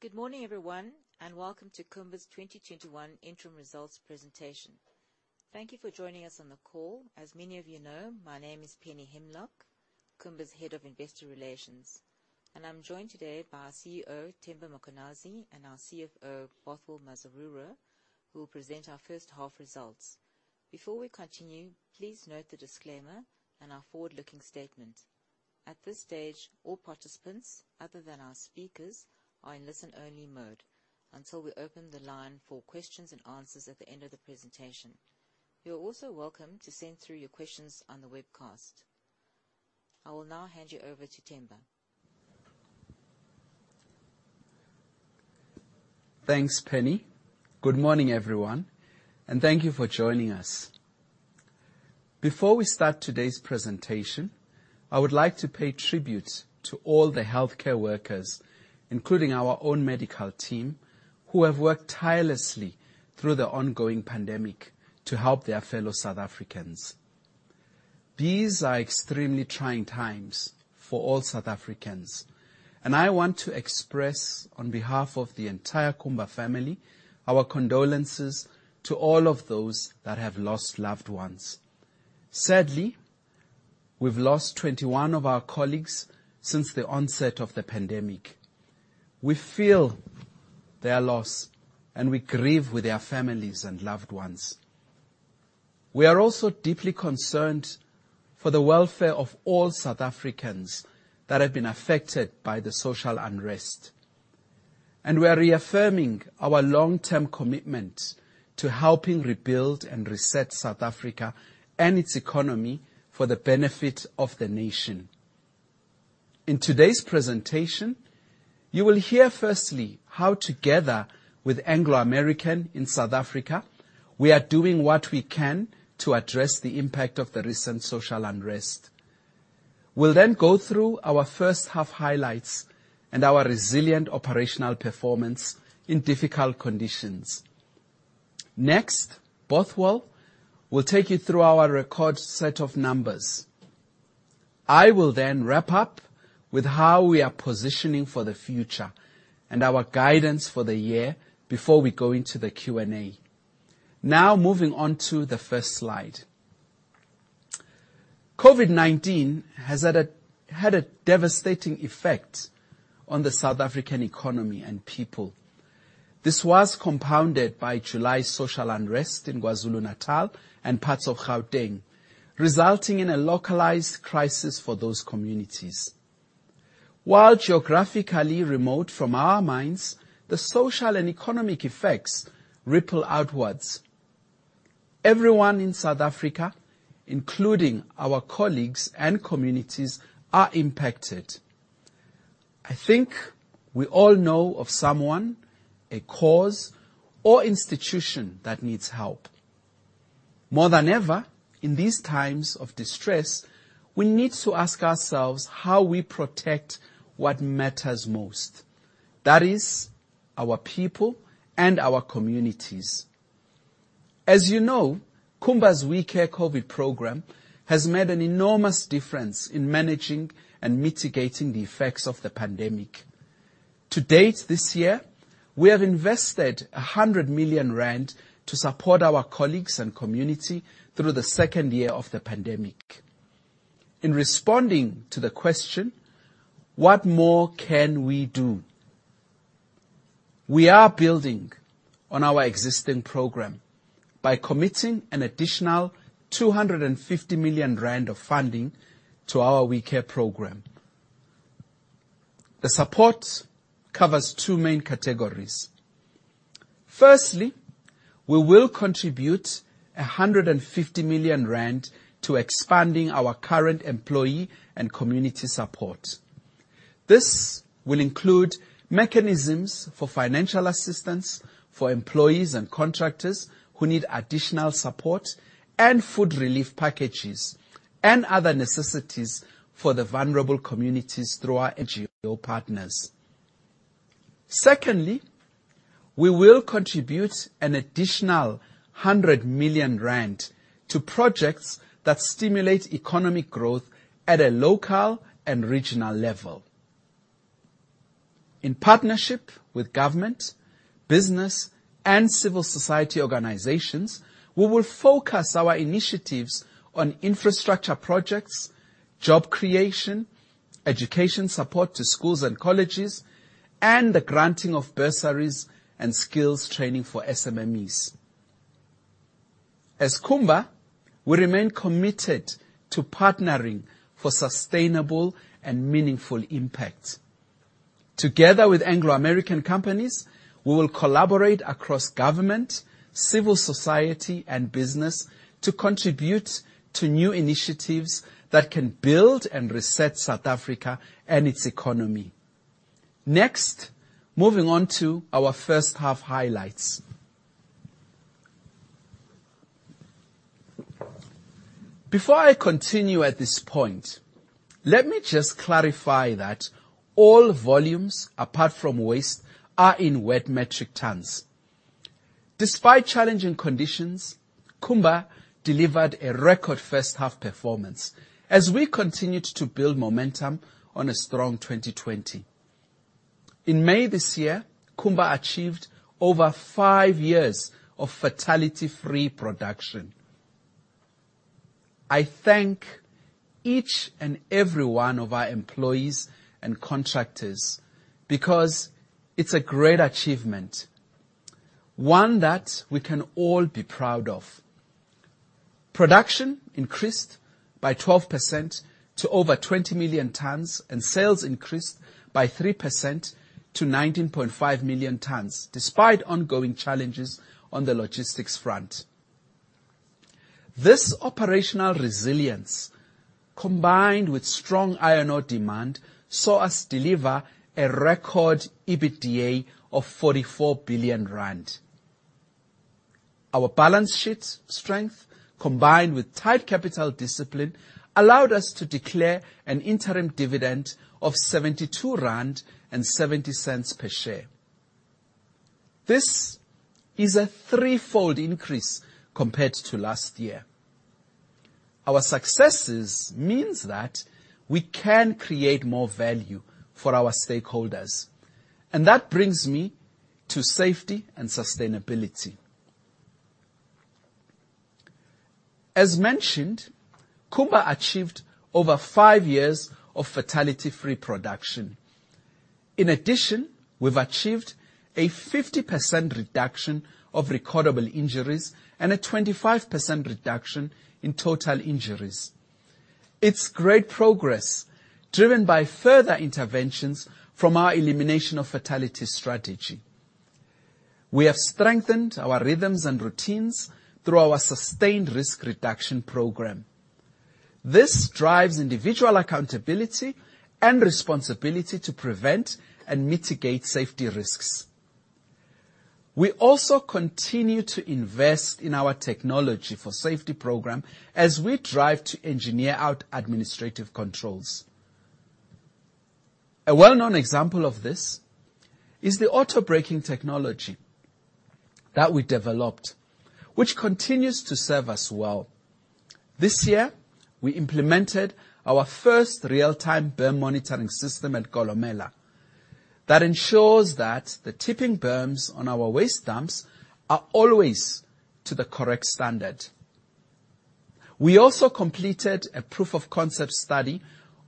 Good morning, everyone, welcome to Kumba's 2021 interim results presentation. Thank you for joining us on the call. As many of you know, my name is Penny Himlok, Kumba's Head of Investor Relations. I'm joined today by our CEO, Themba Mkhwanazi, and our CFO, Bothwell Mazarura, who will present our first half results. Before we continue, please note the disclaimer and our forward-looking statement. At this stage, all participants, other than our speakers, are in listen-only mode until we open the line for questions and answers at the end of the presentation. You are also welcome to send through your questions on the webcast. I will now hand you over to Themba. Thanks, Penny. Good morning, everyone, and thank you for joining us. Before we start today's presentation, I would like to pay tribute to all the healthcare workers, including our own medical team, who have worked tirelessly through the ongoing pandemic to help their fellow South Africans. These are extremely trying times for all South Africans, and I want to express, on behalf of the entire Kumba family, our condolences to all of those that have lost loved ones. Sadly, we've lost 21 of our colleagues since the onset of the pandemic. We feel their loss, and we grieve with their families and loved ones. We are also deeply concerned for the welfare of all South Africans that have been affected by the social unrest. We are reaffirming our long-term commitment to helping rebuild and reset South Africa and its economy for the benefit of the nation. In today's presentation, you will hear firstly how, together with Anglo American in South Africa, we are doing what we can to address the impact of the recent social unrest. We'll then go through our first half highlights and our resilient operational performance in difficult conditions. Bothwell will take you through our record set of numbers. I will then wrap up with how we are positioning for the future and our guidance for the year before we go into the Q&A. Now moving on to the first slide. COVID-19 has had a devastating effect on the South African economy and people. This was compounded by July's social unrest in KwaZulu-Natal and parts of Gauteng, resulting in a localized crisis for those communities. While geographically remote from our mines, the social and economic effects ripple outwards. Everyone in South Africa, including our colleagues and communities, are impacted. I think we all know of someone, a cause, or institution that needs help. More than ever, in these times of distress, we need to ask ourselves how we protect what matters most. That is our people and our communities. As you know, Kumba's WeCare COVID program has made an enormous difference in managing and mitigating the effects of the pandemic. To date, this year, we have invested 100 million rand to support our colleagues and community through the second year of the pandemic. In responding to the question, what more can we do? We are building on our existing program by committing an additional 250 million rand of funding to our WeCare program. The support covers two main categories. Firstly, we will contribute 150 million rand to expanding our current employee and community support. This will include mechanisms for financial assistance for employees and contractors who need additional support, and food relief packages and other necessities for the vulnerable communities through our NGO partners. We will contribute an additional 100 million rand to projects that stimulate economic growth at a local and regional level. In partnership with government, business, and civil society organizations, we will focus our initiatives on infrastructure projects, job creation, education support to schools and colleges, and the granting of bursaries and skills training for SMMEs. As Kumba, we remain committed to partnering for sustainable and meaningful impact. Together with Anglo American companies, we will collaborate across government, civil society, and business to contribute to new initiatives that can build and reset South Africa and its economy. Moving on to our first half highlights. Before I continue at this point, let me just clarify that all volumes apart from waste are in wet metric tons. Despite challenging conditions, Kumba delivered a record first-half performance as we continued to build momentum on a strong 2020. In May this year, Kumba achieved over five years of fatality-free production. I thank each and every one of our employees and contractors because it's a great achievement, one that we can all be proud of. Production increased by 12% to over 20 million tonnes, and sales increased by 3% to 19.5 million tonnes, despite ongoing challenges on the logistics front. This operational resilience, combined with strong iron ore demand, saw us deliver a record EBITDA of 44 billion rand. Our balance sheet strength, combined with tight capital discipline, allowed us to declare an interim dividend of 72.70 rand per share. This is a three-fold increase compared to last year. Our successes means that we can create more value for our stakeholders. That brings me to safety and sustainability. As mentioned, Kumba achieved over five years of fatality-free production. In addition, we've achieved a 50% reduction of recordable injuries and a 25% reduction in total injuries. It's great progress, driven by further interventions from our elimination of fatality strategy. We have strengthened our rhythms and routines through our sustained risk reduction program. This drives individual accountability and responsibility to prevent and mitigate safety risks. We also continue to invest in our Technology for Safety program as we drive to engineer out administrative controls. A well-known example of this is the auto-braking technology that we developed, which continues to serve us well. This year, we implemented our first real-time berm monitoring system at Kolomela that ensures that the tipping berms on our waste dumps are always to the correct standard. We also completed a proof of concept study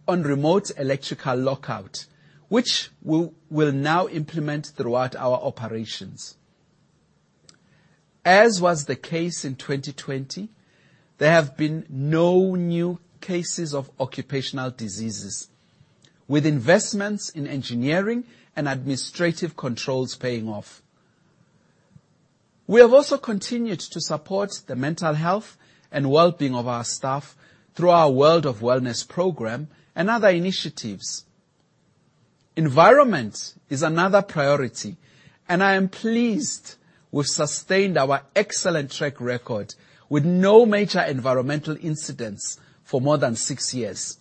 on remote electrical lockout, which we will now implement throughout our operations. As was the case in 2020, there have been no new cases of occupational diseases, with investments in engineering and administrative controls paying off. We have also continued to support the mental health and wellbeing of our staff through our World of Wellness program and other initiatives. Environment is another priority, and I am pleased we've sustained our excellent track record with no major environmental incidents for more than six years.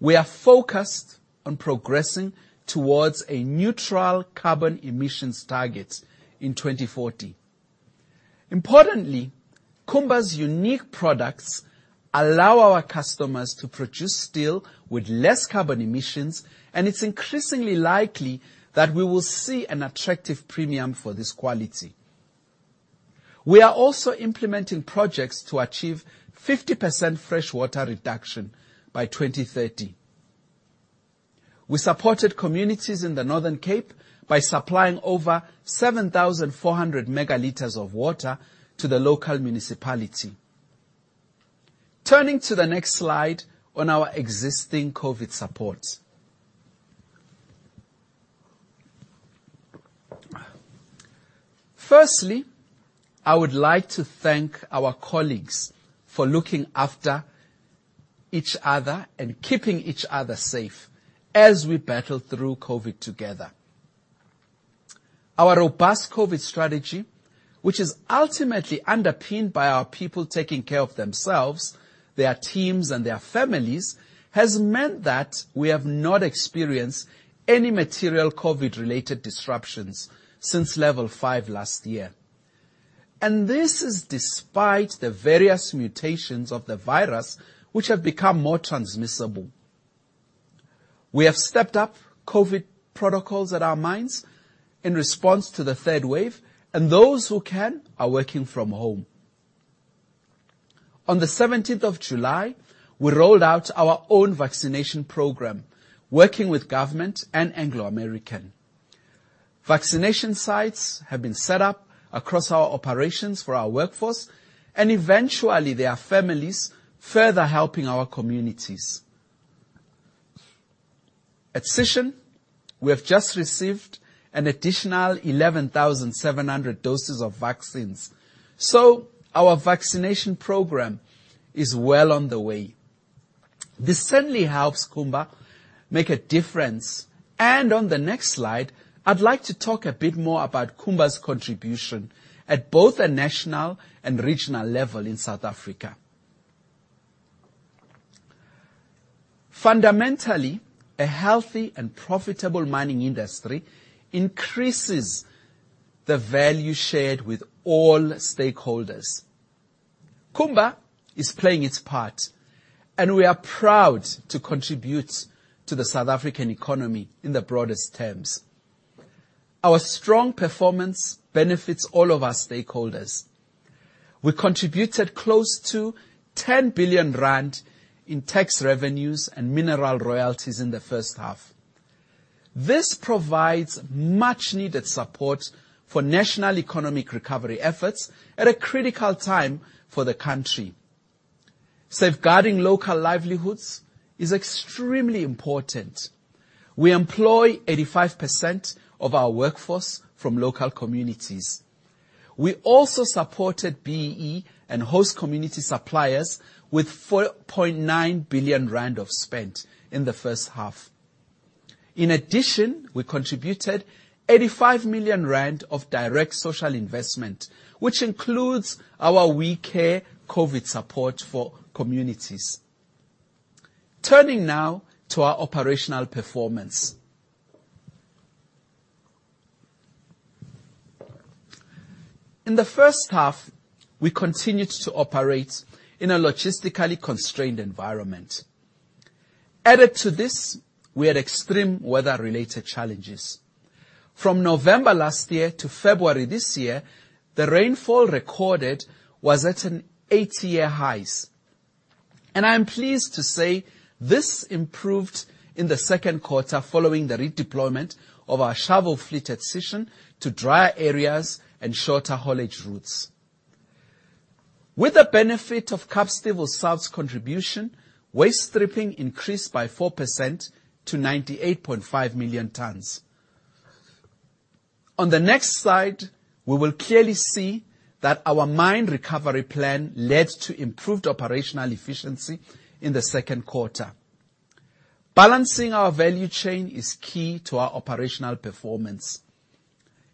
We are focused on progressing towards a neutral carbon emissions target in 2040. Kumba's unique products allow our customers to produce steel with less carbon emissions. It's increasingly likely that we will see an attractive premium for this quality. We are also implementing projects to achieve 50% freshwater reduction by 2030. We supported communities in the Northern Cape by supplying over 7,400 megaliters of water to the local municipality. Turning to the next slide on our existing COVID support. I would like to thank our colleagues for looking after each other and keeping each other safe as we battle through COVID together. Our robust COVID strategy, which is ultimately underpinned by our people taking care of themselves, their teams, and their families, has meant that we have not experienced any material COVID-related disruptions since Level 5 last year. This is despite the various mutations of the virus which have become more transmissible. We have stepped up COVID protocols at our mines in response to the third wave, and those who can, are working from home. On the 17th of July, we rolled out our own vaccination program, working with government and Anglo American. Vaccination sites have been set up across our operations for our workforce and eventually their families, further helping our communities. At Sishen, we have just received an additional 11,700 doses of vaccines, so our vaccination program is well on the way. This certainly helps Kumba make a difference, and on the next slide, I'd like to talk a bit more about Kumba's contribution at both a national and regional level in South Africa. Fundamentally, a healthy and profitable mining industry increases the value shared with all stakeholders. Kumba is playing its part, and we are proud to contribute to the South African economy in the broadest terms. Our strong performance benefits all of our stakeholders. We contributed close to 10 billion rand in tax revenues and mineral royalties in the first half. This provides much needed support for national economic recovery efforts at a critical time for the country. Safeguarding local livelihoods is extremely important. We employ 85% of our workforce from local communities. We also supported BEE and host community suppliers with 4.9 billion rand of spend in the first half. In addition, we contributed 85 million rand of direct social investment, which includes our WeCare COVID support for communities. Turning now to our operational performance. In the first half, we continued to operate in a logistically constrained environment. Added to this, we had extreme weather-related challenges. From November last year to February this year, the rainfall recorded was at an 80-year highs. I am pleased to say this improved in the second quarter following the redeployment of our shovel fleet at Sishen to drier areas and shorter haulage routes. With the benefit of Kapstevel South's contribution, waste stripping increased by 4% to 98.5 million tons. On the next slide, we will clearly see that our mine recovery plan led to improved operational efficiency in the second quarter. Balancing our value chain is key to our operational performance.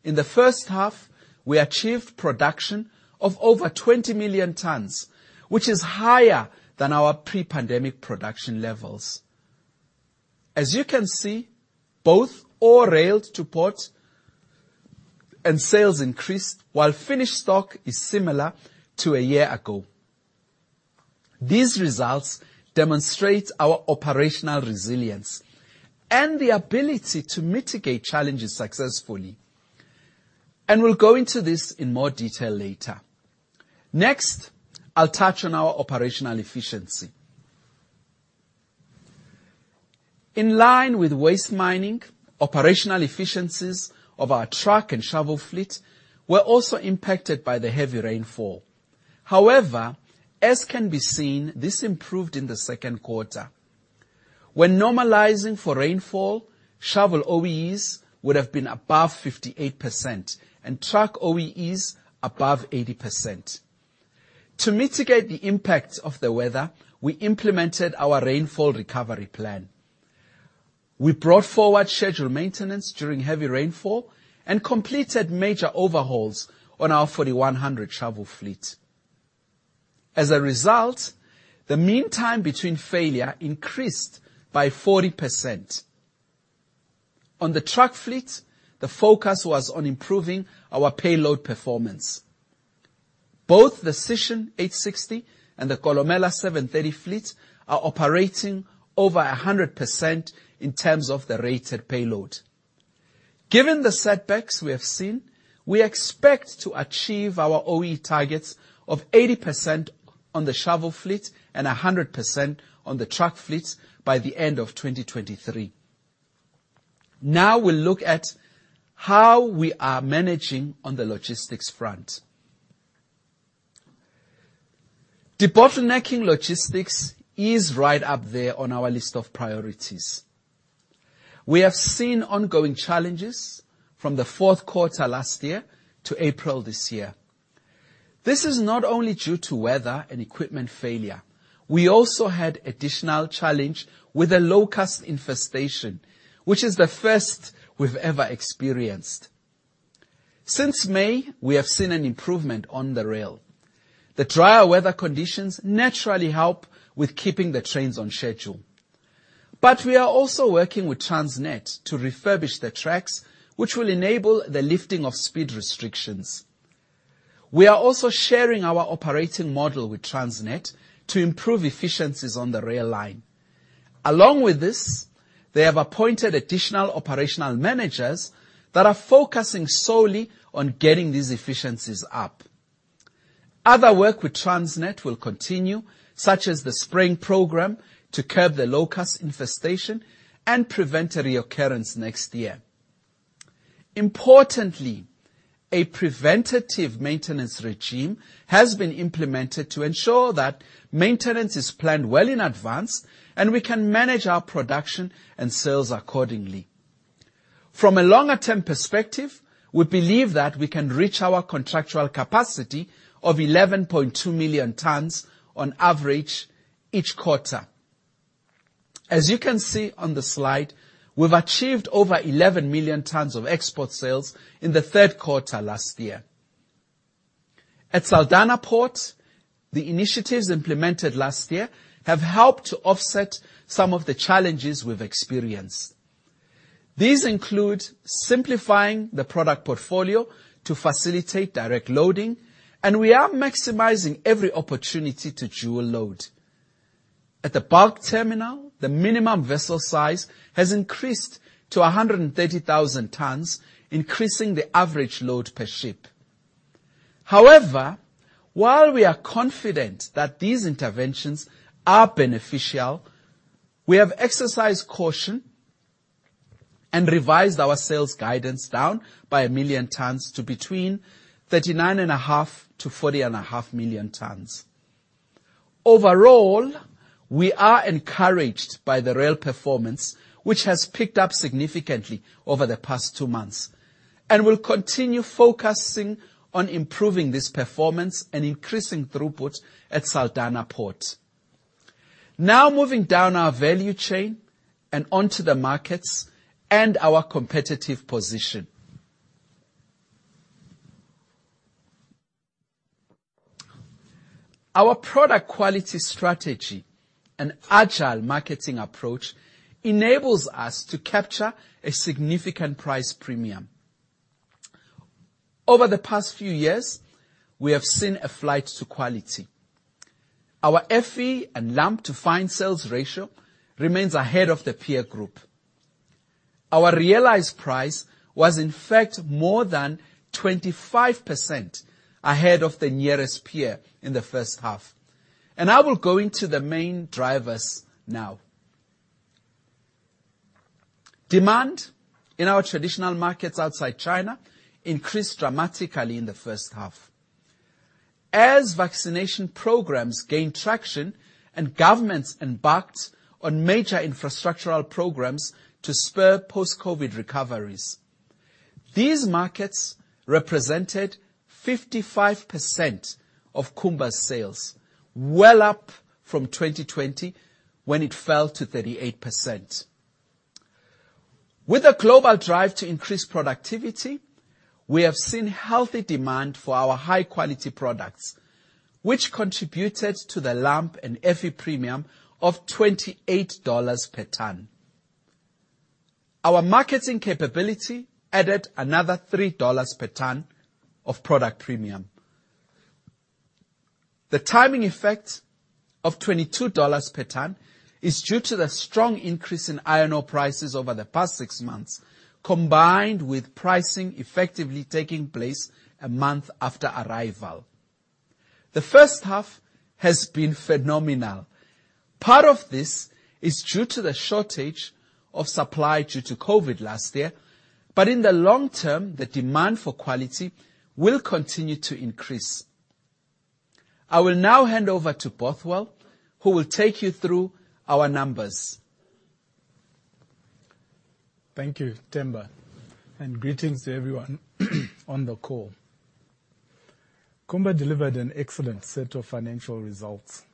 In the first half, we achieved production of over 20 million tons, which is higher than our pre-pandemic production levels. As you can see, both ore railed to port and sales increased while finished stock is similar to a year ago. These results demonstrate our operational resilience and the ability to mitigate challenges successfully. We'll go into this in more detail later. Next, I'll touch on our operational efficiency. In line with waste mining, operational efficiencies of our truck and shovel fleet were also impacted by the heavy rainfall. However, as can be seen, this improved in the second quarter. When normalizing for rainfall, shovel OEEs would have been above 58% and truck OEEs above 80%. To mitigate the impact of the weather, we implemented our rainfall recovery plan. We brought forward scheduled maintenance during heavy rainfall and completed major overhauls on our 4100 shovel fleet. As a result, the mean time between failure increased by 40%. On the truck fleet, the focus was on improving our payload performance. Both the Sishen 860 and the Kolomela 730 fleet are operating over 100% in terms of the rated payload. Given the setbacks we have seen, we expect to achieve our OE targets of 80% on the shovel fleet and 100% on the truck fleet by the end of 2023. Now we look at how we are managing on the logistics front. Debottlenecking logistics is right up there on our list of priorities. We have seen ongoing challenges from the fourth quarter last year to April this year. This is not only due to weather and equipment failure. We also had additional challenge with a locust infestation, which is the first we've ever experienced. Since May, we have seen an improvement on the rail. We are also working with Transnet to refurbish the tracks, which will enable the lifting of speed restrictions. We are also sharing our operating model with Transnet to improve efficiencies on the rail line. Along with this, they have appointed additional operational managers that are focusing solely on getting these efficiencies up. Other work with Transnet will continue, such as the spraying program to curb the locust infestation and prevent a reoccurrence next year. Importantly, a preventative maintenance regime has been implemented to ensure that maintenance is planned well in advance, and we can manage our production and sales accordingly. From a longer-term perspective, we believe that we can reach our contractual capacity of 11.2 million tons on average each quarter. As you can see on the slide, we've achieved over 11 million tons of export sales in the third quarter last year. At Saldanha Port, the initiatives implemented last year have helped to offset some of the challenges we've experienced. These include simplifying the product portfolio to facilitate direct loading, and we are maximizing every opportunity to dual load. At the bulk terminal, the minimum vessel size has increased to 130,000 tons, increasing the average load per ship. However, while we are confident that these interventions are beneficial, we have exercised caution and revised our sales guidance down by 1 million tons to between 39.5 million-40.5 million tons. Overall, we are encouraged by the rail performance, which has picked up significantly over the past two months, and will continue focusing on improving this performance and increasing throughput at Saldanha Port. Now moving down our value chain and onto the markets and our competitive position. Our product quality strategy and agile marketing approach enables us to capture a significant price premium. Over the past few years, we have seen a flight to quality. Our Fe and lump to fine sales ratio remains ahead of the peer group. Our realized price was in fact more than 25% ahead of the nearest peer in the first half. I will go into the main drivers now. Demand in our traditional markets outside China increased dramatically in the first half. As vaccination programs gained traction and governments embarked on major infrastructural programs to spur post-COVID recoveries, these markets represented 55% of Kumba's sales, well up from 2020, when it fell to 38%. With a global drive to increase productivity, we have seen healthy demand for our high-quality products, which contributed to the lump and Fe premium of $28 per ton. Our marketing capability added another $3 per ton of product premium. The timing effect of $22 per ton is due to the strong increase in iron ore prices over the past six months, combined with pricing effectively taking place a month after arrival. The first half has been phenomenal. Part of this is due to the shortage of supply due to COVID last year, but in the long-term, the demand for quality will continue to increase. I will now hand over to Bothwell, who will take you through our numbers. Thank you, Themba, and greetings to everyone on the call. Kumba delivered an excellent set of financial results.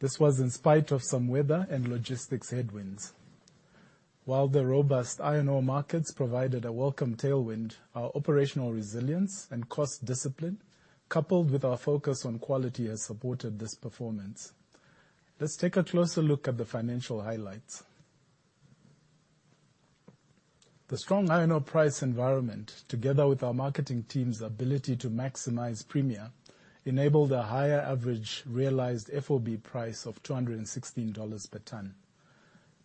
This was in spite of some weather and logistics headwinds. While the robust iron ore markets provided a welcome tailwind, our operational resilience and cost discipline, coupled with our focus on quality, has supported this performance. Let's take a closer look at the financial highlights. The strong iron ore price environment, together with our marketing team's ability to maximize premia, enabled a higher average realized FOB price of $216 per ton.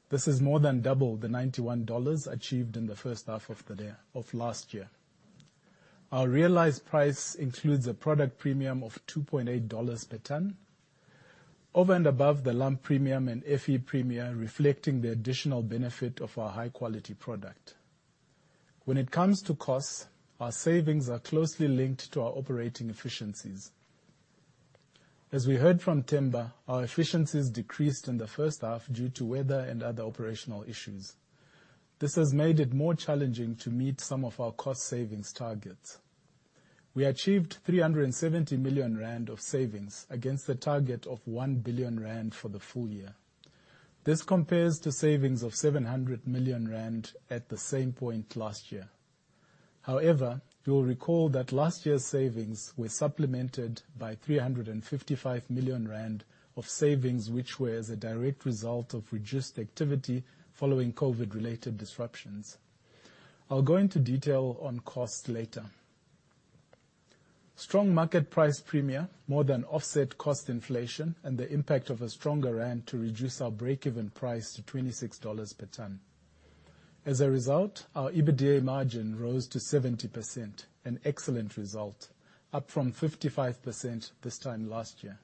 This is more than double the $91 achieved in the first half of last year. Our realized price includes a product premium of $2.80 per ton over and above the lump premium and Fe premia, reflecting the additional benefit of our high-quality product. When it comes to costs, our savings are closely linked to our operating efficiencies. As we heard from Themba, our efficiencies decreased in the first half due to weather and other operational issues. This has made it more challenging to meet some of our cost savings targets. We achieved 370 million rand of savings against the target of 1 billion rand for the full year. This compares to savings of 700 million rand at the same point last year. You will recall that last year's savings were supplemented by 355 million rand of savings, which were as a direct result of reduced activity following COVID-related disruptions. I'll go into detail on costs later. Strong market price premia more than offset cost inflation and the impact of a stronger ZAR to reduce our break-even price to $26 per ton. Our EBITDA margin rose to 70%, an excellent result, up from 55% this time last year.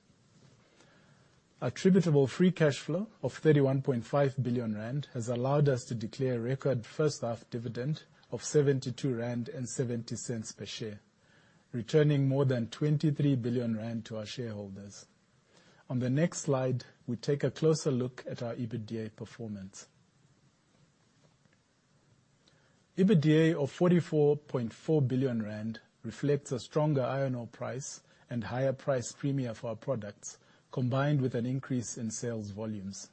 Attributable free cash flow of 31.5 billion rand has allowed us to declare a record first half dividend of 72.70 rand per share, returning more than 23 billion rand to our shareholders. On the next slide, we take a closer look at our EBITDA performance. EBITDA of 44.4 billion rand reflects a stronger iron ore price and higher price premia for our products, combined with an increase in sales volumes.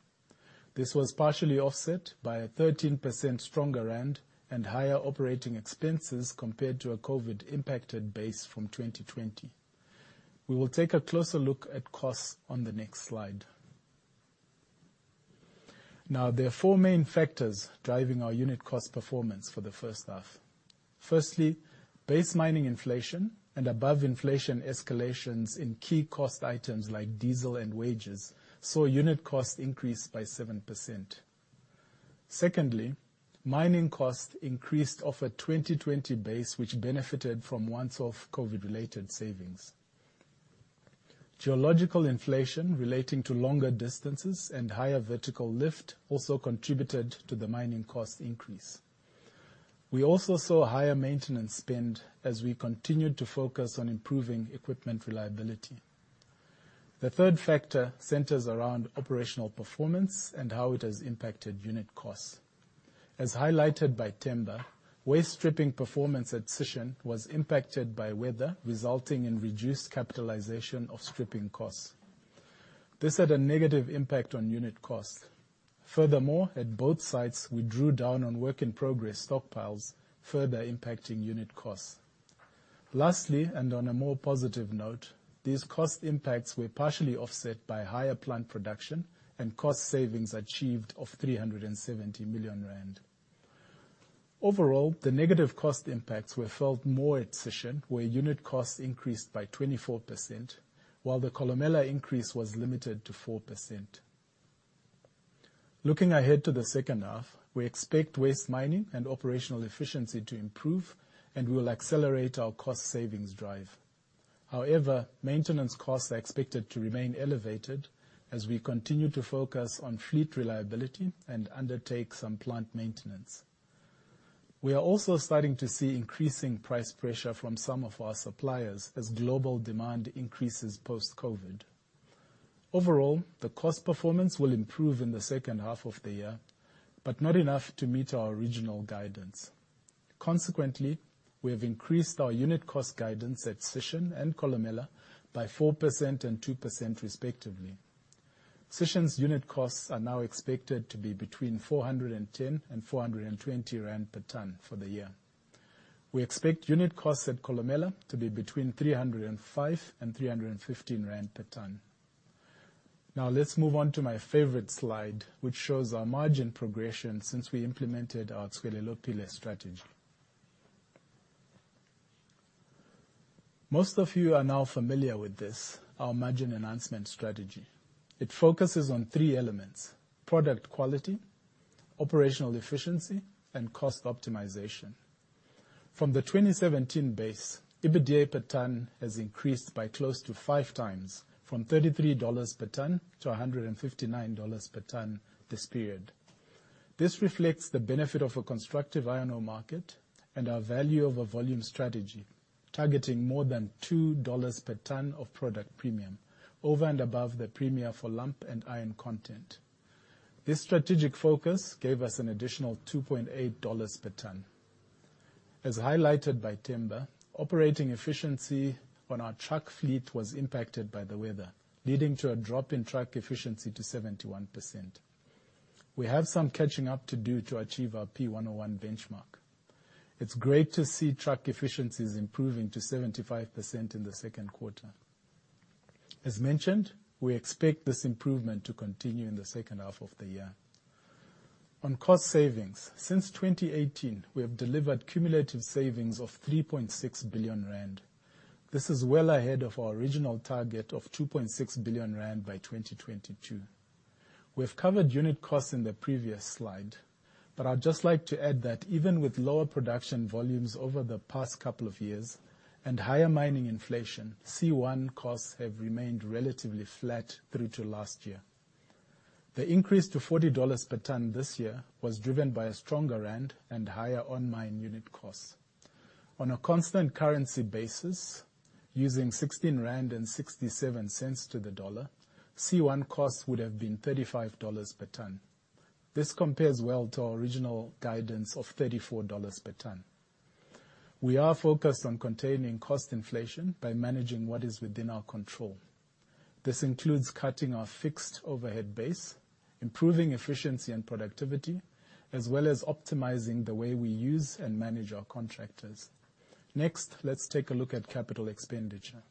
This was partially offset by a 13% stronger rand and higher operating expenses compared to a COVID-impacted base from 2020. We will take a closer look at costs on the next slide. There are four main factors driving our unit cost performance for the first half. Firstly, base mining inflation and above-inflation escalations in key cost items like diesel and wages, saw unit cost increase by 7%. Mining cost increased off a 2020 base, which benefited from once-off COVID-related savings. Geological inflation relating to longer distances and higher vertical lift also contributed to the mining cost increase. We also saw higher maintenance spend as we continued to focus on improving equipment reliability. The third factor centers around operational performance and how it has impacted unit costs. As highlighted by Themba, waste stripping performance at Sishen was impacted by weather, resulting in reduced capitalization of stripping costs. This had a negative impact on unit cost. At both sites, we drew down on work-in-progress stockpiles, further impacting unit costs. On a more positive note, these cost impacts were partially offset by higher plant production and cost savings achieved of 370 million rand. The negative cost impacts were felt more at Sishen, where unit costs increased by 24%, while the Kolomela increase was limited to 4%. Looking ahead to the second half, we expect waste mining and operational efficiency to improve, and we'll accelerate our cost savings drive. Maintenance costs are expected to remain elevated as we continue to focus on fleet reliability and undertake some plant maintenance. We are also starting to see increasing price pressure from some of our suppliers as global demand increases post-COVID. The cost performance will improve in the second half of the year, but not enough to meet our original guidance. We have increased our unit cost guidance at Sishen and Kolomela by 4% and 2% respectively. Sishen's unit costs are now expected to be between 410 and 420 rand per ton for the year. We expect unit costs at Kolomela to be between 305 and 315 rand per ton. Let's move on to my favorite slide, which shows our margin progression since we implemented our Tswelelopele strategy. Most of you are now familiar with this, our margin enhancement strategy. It focuses on three elements: product quality, operational efficiency, and cost optimization. From the 2017 base, EBITDA per ton has increased by close to 5x, from $33 per ton to $159 per ton this period. This reflects the benefit of a constructive iron ore market and our value-over-volume strategy, targeting more than $2 per ton of product premium over and above the premium for lump and iron content. This strategic focus gave us an additional $2.8 per ton. As highlighted by Themba, operating efficiency on our truck fleet was impacted by the weather, leading to a drop in truck efficiency to 71%. We have some catching up to do to achieve our P101 benchmark. It's great to see truck efficiencies improving to 75% in the second quarter. As mentioned, we expect this improvement to continue in the second half of the year. On cost savings, since 2018, we have delivered cumulative savings of 3.6 billion rand. This is well ahead of our original target of 2.6 billion rand by 2022. We have covered unit costs in the previous slide, I'd just like to add that even with lower production volumes over the past couple of years and higher mining inflation, C1 costs have remained relatively flat through to last year. The increase to $40 per ton this year was driven by a stronger ZAR and higher on-mine unit costs. On a constant currency basis, using 16.67 rand to the U.S. dollar, C1 costs would have been $35 per ton. This compares well to our original guidance of $34 per ton. We are focused on containing cost inflation by managing what is within our control. This includes cutting our fixed overhead base, improving efficiency and productivity, as well as optimizing the way we use and manage our contractors. Next, let's take a look at capital expenditure.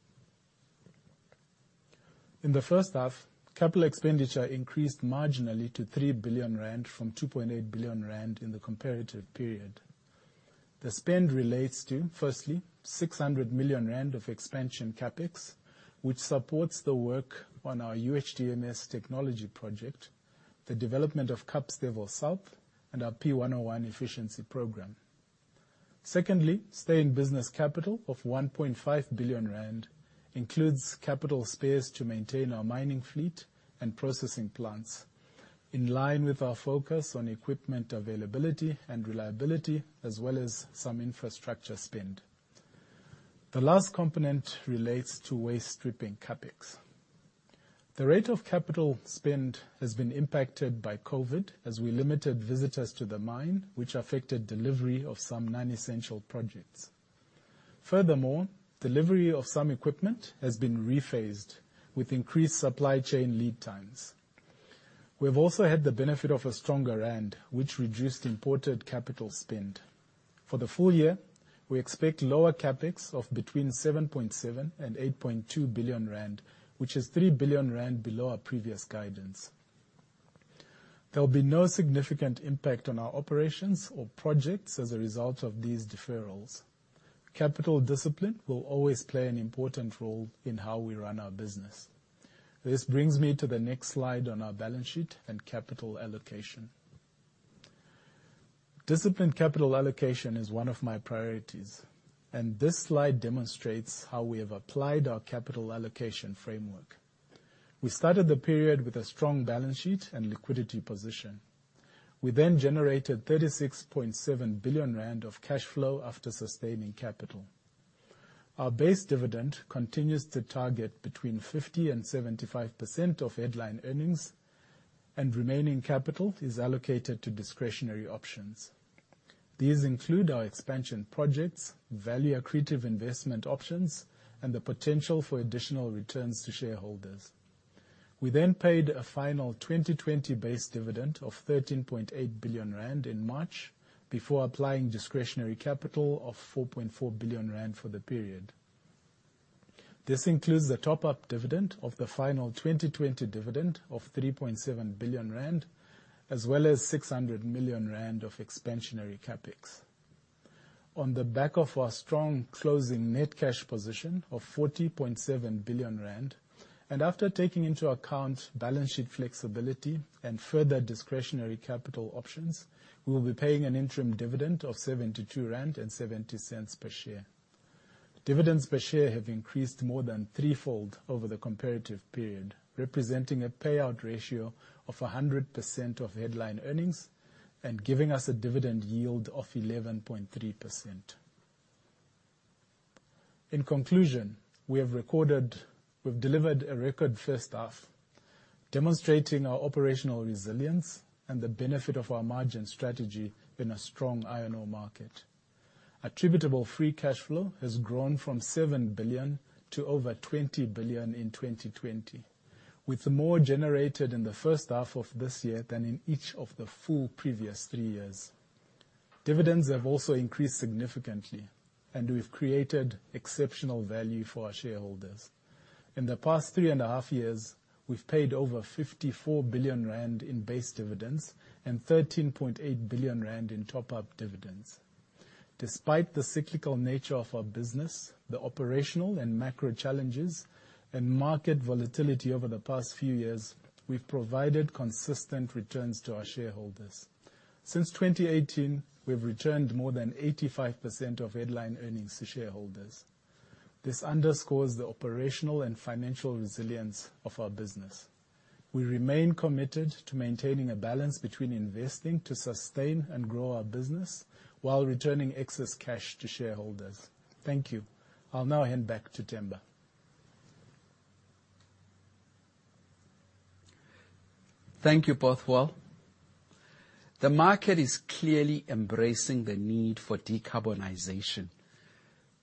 In the first half, capital expenditure increased marginally to 3 billion rand from 2.8 billion rand in the comparative period. The spend relates to, firstly, 600 million rand of expansion CapEx, which supports the work on our UHDMS technology project, the development of Kapstevel South, and our P101 efficiency program. Secondly, stay-in-business capital of 1.5 billion rand includes capital spares to maintain our mining fleet and processing plants in line with our focus on equipment availability and reliability, as well as some infrastructure spend. The last component relates to waste stripping CapEx. The rate of capital spend has been impacted by COVID as we limited visitors to the mine, which affected delivery of some non-essential projects. Furthermore, delivery of some equipment has been rephased with increased supply chain lead times. We have also had the benefit of a stronger rand, which reduced imported capital spend. For the full year, we expect lower CapEx of between 7.7 billion and 8.2 billion rand, which is 3 billion rand below our previous guidance. There'll be no significant impact on our operations or projects as a result of these deferrals. Capital discipline will always play an important role in how we run our business. This brings me to the next slide on our balance sheet and capital allocation. Disciplined capital allocation is one of my priorities, and this slide demonstrates how we have applied our capital allocation framework. We started the period with a strong balance sheet and liquidity position. We generated 36.7 billion rand of cash flow after sustaining capital. Our base dividend continues to target between 50%-75% of headline earnings, and remaining capital is allocated to discretionary options. These include our expansion projects, value accretive investment options, and the potential for additional returns to shareholders. We paid a final 2020 base dividend of 13.8 billion rand in March before applying discretionary capital of 4.4 billion rand for the period. This includes the top-up dividend of the final 2020 dividend of 3.7 billion rand, as well as 600 million rand of expansionary CapEx. On the back of our strong closing net cash position of 40.7 billion rand, after taking into account balance sheet flexibility and further discretionary capital options, we will be paying an interim dividend of 72.70 rand per share. Dividends per share have increased more than three-fold over the comparative period, representing a payout ratio of 100% of headline earnings and giving us a dividend yield of 11.3%. In conclusion, we've delivered a record first half, demonstrating our operational resilience and the benefit of our margin strategy in a strong iron ore market. Attributable free cash flow has grown from 7 billion to over 20 billion in 2020, with more generated in the first half of this year than in each of the full previous three years. Dividends have also increased significantly, we've created exceptional value for our shareholders. In the past 3.5 years, we've paid over 54 billion rand in base dividends and 13.8 billion rand in top-up dividends. Despite the cyclical nature of our business, the operational and macro challenges, and market volatility over the past few years, we've provided consistent returns to our shareholders. Since 2018, we've returned more than 85% of headline earnings to shareholders. This underscores the operational and financial resilience of our business. We remain committed to maintaining a balance between investing to sustain and grow our business while returning excess cash to shareholders. Thank you. I'll now hand back to Themba. Thank you, Bothwell. The market is clearly embracing the need for decarbonization.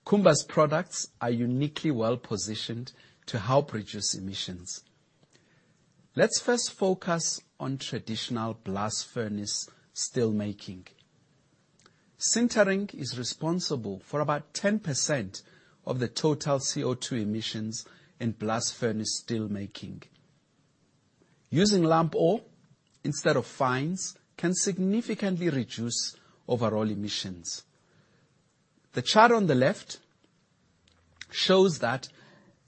Kumba's products are uniquely well-positioned to help reduce emissions. Let's first focus on traditional blast furnace steel making. Sintering is responsible for about 10% of the total CO2 emissions in blast furnace steel making. Using lump ore instead of fines can significantly reduce overall emissions. The chart on the left shows that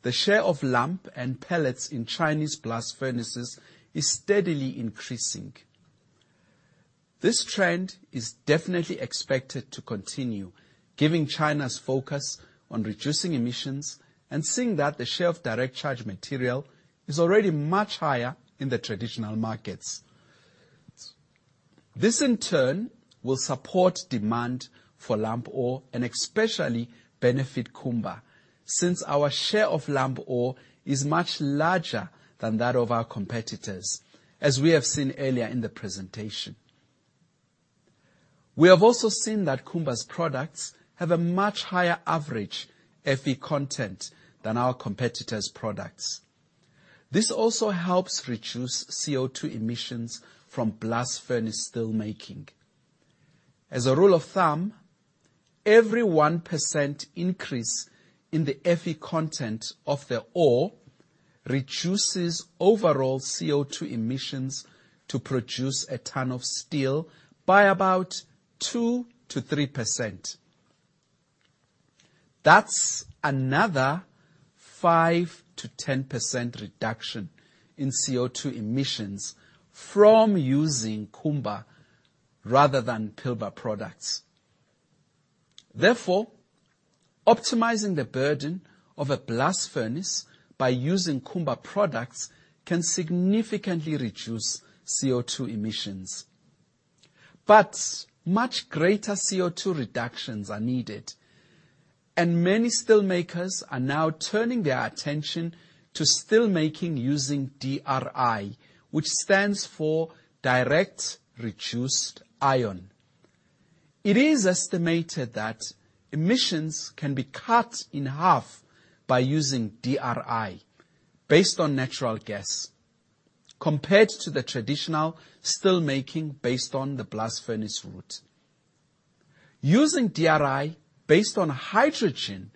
the share of lump and pellets in Chinese blast furnaces is steadily increasing. This trend is definitely expected to continue, given China's focus on reducing emissions and seeing that the share of direct charge material is already much higher in the traditional markets. This, in turn, will support demand for lump ore and especially benefit Kumba, since our share of lump ore is much larger than that of our competitors, as we have seen earlier in the presentation. We have also seen that Kumba's products have a much higher average Fe content than our competitors' products. This also helps reduce CO2 emissions from blast furnace steel making. As a rule of thumb, every 1% increase in the Fe content of the ore reduces overall CO2 emissions to produce a ton of steel by about 2%-3%. That's another 5%-10% reduction in CO2 emissions from using Kumba rather than Pilbara products. Therefore, optimizing the burden of a blast furnace by using Kumba products can significantly reduce CO2 emissions. Much greater CO2 reductions are needed, and many steel makers are now turning their attention to steel making using DRI, which stands for direct reduced iron. It is estimated that emissions can be cut in half by using DRI based on natural gas compared to the traditional steelmaking based on the blast furnace route. Using DRI based on hydrogen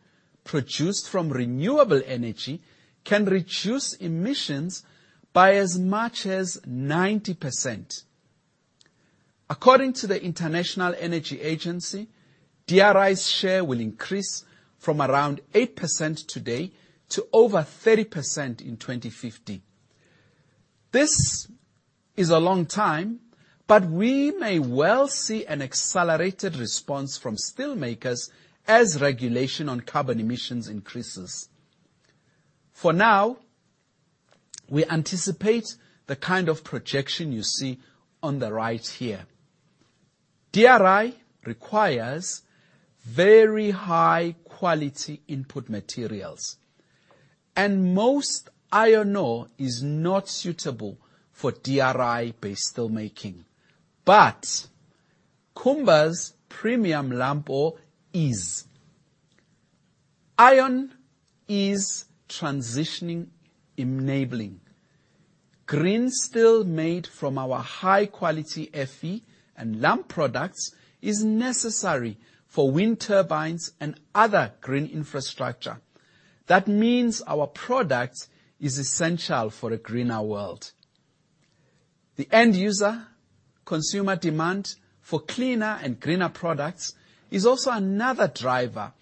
produced from renewable energy can reduce emissions by as much as 90%. According to the International Energy Agency, DRI's share will increase from around 8% today to over 30% in 2050. This is a long time. We may well see an accelerated response from steelmakers as regulation on carbon emissions increases. For now, we anticipate the kind of projection you see on the right here. DRI requires very high-quality input materials, and most iron ore is not suitable for DRI-based steelmaking, but Kumba's premium lump ore is. Iron is transitioning, enabling green steel made from our high-quality Fe and lump products is necessary for wind turbines and other green infrastructure. That means our product is essential for a greener world. The end user/consumer demand for cleaner and greener products is also another driver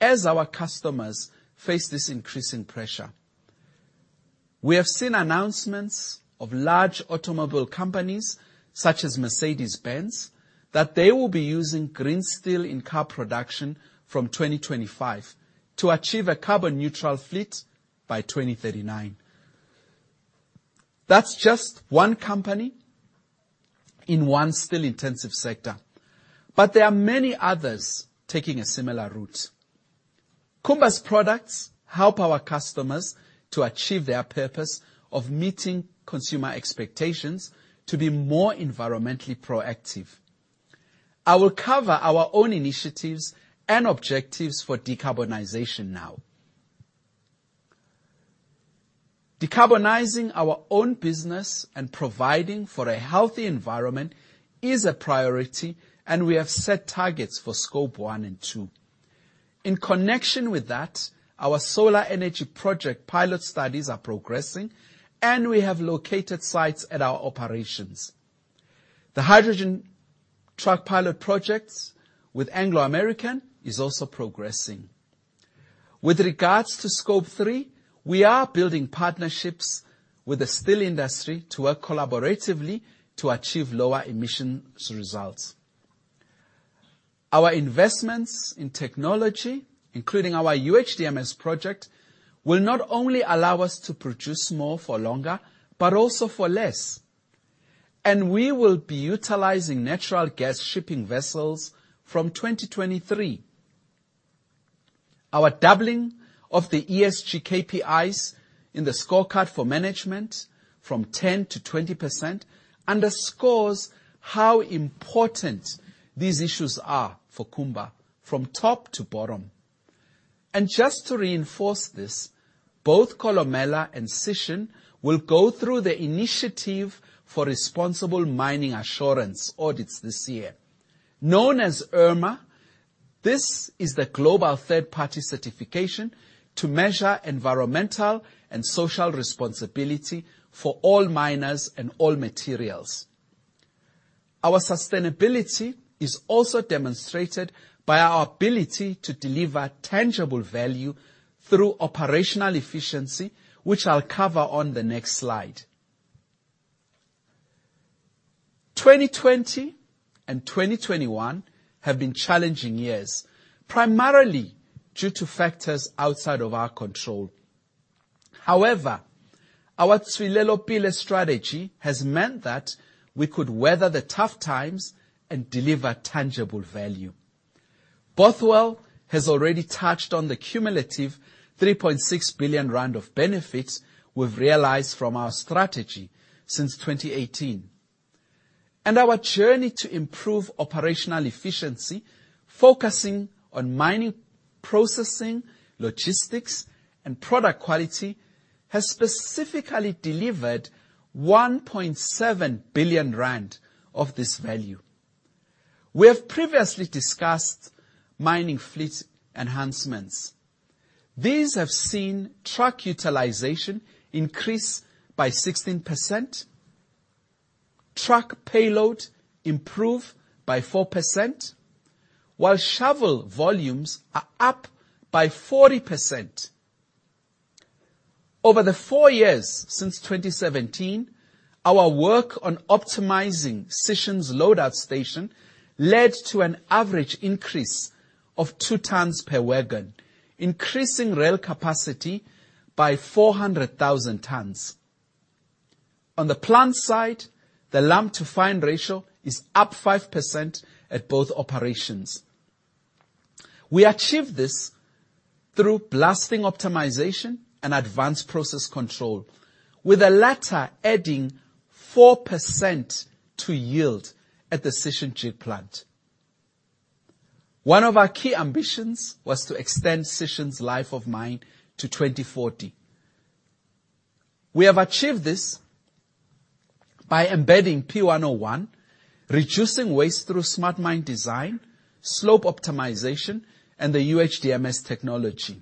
as our customers face this increasing pressure. We have seen announcements of large automobile companies, such as Mercedes-Benz, that they will be using green steel in car production from 2025 to achieve a carbon neutral fleet by 2039. That's just one company in one steel-intensive sector, but there are many others taking a similar route. Kumba's products help our customers to achieve their purpose of meeting consumer expectations to be more environmentally proactive. I will cover our own initiatives and objectives for decarbonization now. Decarbonizing our own business and providing for a healthy environment is a priority, and we have set targets for Scope 1 and 2. In connection with that, our solar energy project pilot studies are progressing, and we have located sites at our operations. The hydrogen truck pilot projects with Anglo American is also progressing. With regards to Scope 3, we are building partnerships with the steel industry to work collaboratively to achieve lower emissions results. Our investments in technology, including our UHDMS project, will not only allow us to produce more for longer, but also for less. We will be utilizing natural gas shipping vessels from 2023. Our doubling of the ESG KPIs in the scorecard for management from 10%-20% underscores how important these issues are for Kumba, from top to bottom. Just to reinforce this, both Kolomela and Sishen will go through the Initiative for Responsible Mining Assurance audits this year. Known as IRMA, this is the global third-party certification to measure environmental and social responsibility for all miners and all materials. Our sustainability is also demonstrated by our ability to deliver tangible value through operational efficiency, which I'll cover on the next slide. 2020 and 2021 have been challenging years, primarily due to factors outside of our control. However, our Tswelelopele strategy has meant that we could weather the tough times and deliver tangible value. Bothwell has already touched on the cumulative 3.6 billion rand of benefits we've realized from our strategy since 2018. Our journey to improve operational efficiency, focusing on mining, processing, logistics, and product quality, has specifically delivered 1.7 billion rand of this value. We have previously discussed mining fleet enhancements. These have seen truck utilization increase by 16%, truck payload improve by 4%, while shovel volumes are up by 40%. Over the four years since 2017, our work on optimizing Sishen's load-out station led to an average increase of two tons per wagon, increasing rail capacity by 400,000 tons. On the plant side, the lump-to-fine ratio is up 5% at both operations. We achieved this through blasting optimization and advanced process control, with the latter adding 4% to yield at the Sishen jig plant. One of our key ambitions was to extend Sishen's life of mine to 2040. We have achieved this by embedding P101, reducing waste through smart mine design, slope optimization, and the UHDMS technology.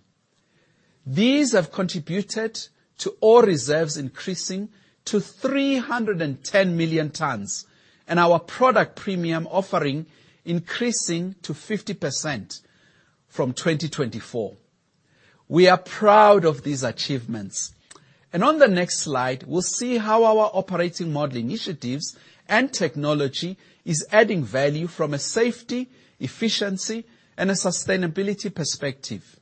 These have contributed to ore reserves increasing to 310 million tonnes, and our product premium offering increasing to 50% from 2024. We are proud of these achievements, and on the next slide, we'll see how our operating model initiatives and technology is adding value from a safety, efficiency, and a sustainability perspective.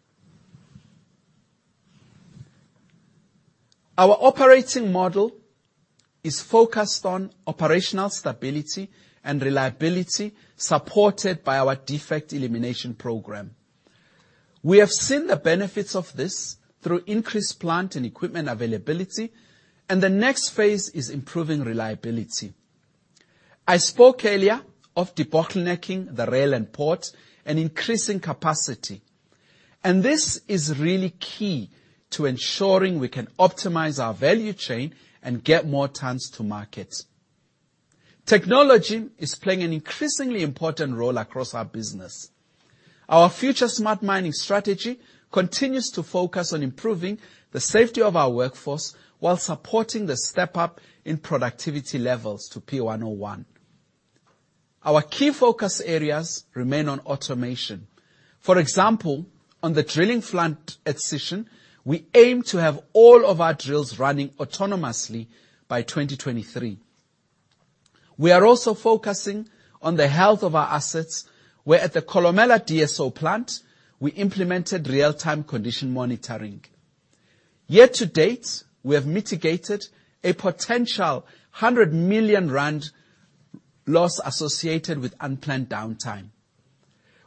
Our operating model is focused on operational stability and reliability, supported by our defect elimination program. We have seen the benefits of this through increased plant and equipment availability. The next phase is improving reliability. I spoke earlier of debottlenecking the rail and port and increasing capacity. This is really key to ensuring we can optimize our value chain and get more tonnes to market. Technology is playing an increasingly important role across our business. Our future smart mining strategy continues to focus on improving the safety of our workforce while supporting the step-up in productivity levels to P101. Our key focus areas remain on automation. For example, on the drilling front at Sishen, we aim to have all of our drills running autonomously by 2023. We are also focusing on the health of our assets, where at the Kolomela DSO plant, we implemented real-time condition monitoring. Year-to-date, we have mitigated a potential 100 million rand loss associated with unplanned downtime.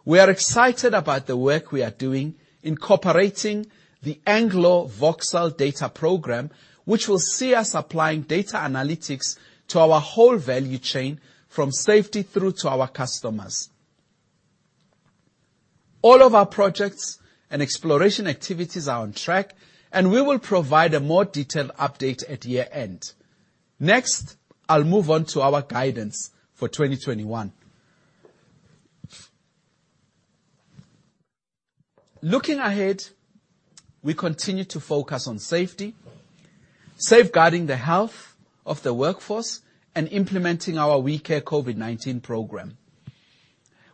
We are excited about the work we are doing incorporating the Anglo Voxel data program, which will see us applying data analytics to our whole value chain from safety through to our customers. All of our projects and exploration activities are on track, and we will provide a more detailed update at year-end. Next, I'll move on to our guidance for 2021. Looking ahead, we continue to focus on safety, safeguarding the health of the workforce, and implementing our WeCare COVID-19 program.